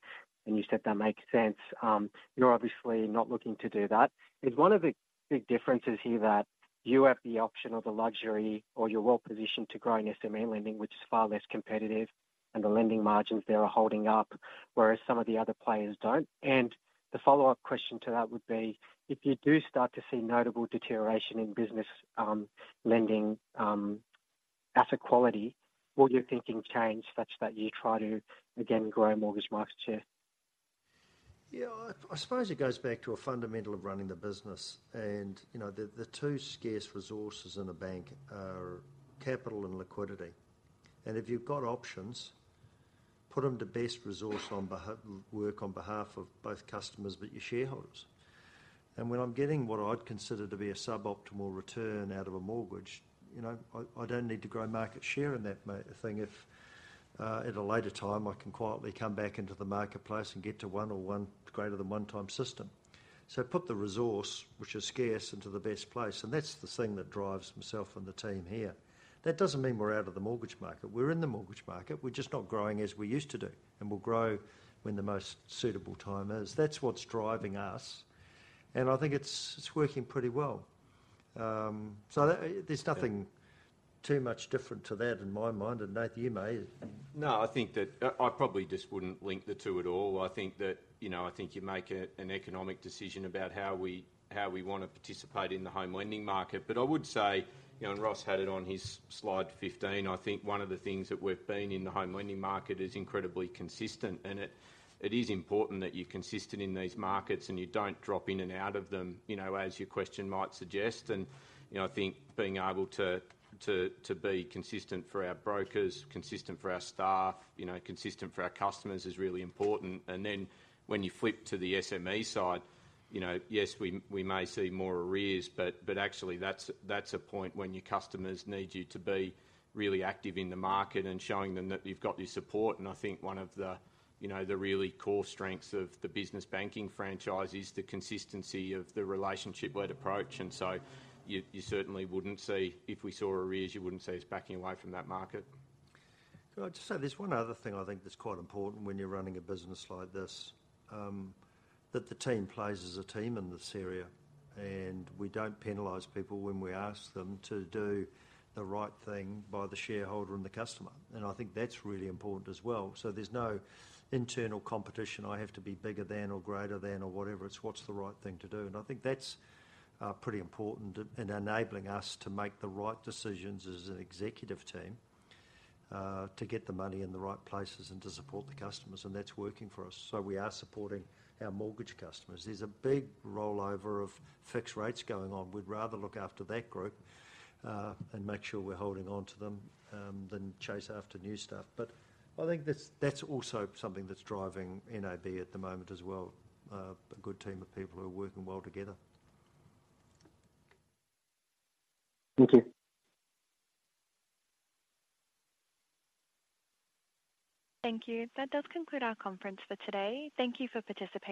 and you said that makes sense. You're obviously not looking to do that. Is one of the big differences here that you have the option or the luxury, or you're well positioned to grow in SME lending, which is far less competitive and the lending margins there are holding up, whereas some of the other players don't? And the follow-up question to that would be: if you do start to see notable deterioration in business lending asset quality, will your thinking change such that you try to again grow mortgage market share? Yeah, I suppose it goes back to a fundamental of running the business. And, you know, the two scarce resources in a bank are capital and liquidity. And if you've got options, put them to best resource work on behalf of both customers but your shareholders. And when I'm getting what I'd consider to be a suboptimal return out of a mortgage, you know, I don't need to grow market share in that thing if at a later time, I can quietly come back into the marketplace and get to one or one greater than one times system. So put the resource, which is scarce, into the best place, and that's the thing that drives myself and the team here. That doesn't mean we're out of the mortgage market. We're in the mortgage market, we're just not growing as we used to do, and we'll grow when the most suitable time is. That's what's driving us, and I think it's, it's working pretty well. So that... There's nothing too much different to that in my mind, and, Nathan, you may- No, I think that I, I probably just wouldn't link the two at all. I think that, you know, I think you make a, an economic decision about how we, how we want to participate in the home lending market. But I would say, you know, and Ross had it on his Slide 15, I think one of the things that we've been in the home lending market is incredibly consistent, and it, it is important that you're consistent in these markets, and you don't drop in and out of them, you know, as your question might suggest. And, you know, I think being able to, to, to be consistent for our brokers, consistent for our staff, you know, consistent for our customers is really important. And then when you flip to the SME side, you know, yes, we may see more arrears, but actually, that's a point when your customers need you to be really active in the market and showing them that you've got their support. And I think one of the, you know, the really core strengths of the business banking franchise is the consistency of the relationship-led approach, and so you certainly wouldn't see, if we saw arrears, you wouldn't see us backing away from that market. Can I just say, there's one other thing I think that's quite important when you're running a business like this, that the team plays as a team in this area, and we don't penalize people when we ask them to do the right thing by the shareholder and the customer. And I think that's really important as well. So there's no internal competition, I have to be bigger than or greater than or whatever. It's what's the right thing to do, and I think that's, pretty important in enabling us to make the right decisions as an executive team, to get the money in the right places and to support the customers, and that's working for us. So we are supporting our mortgage customers. There's a big rollover of fixed rates going on. We'd rather look after that group, and make sure we're holding on to them, than chase after new stuff. But I think that's also something that's driving NAB at the moment as well, a good team of people who are working well together. Thank you. Thank you. That does conclude our conference for today. Thank you for participating.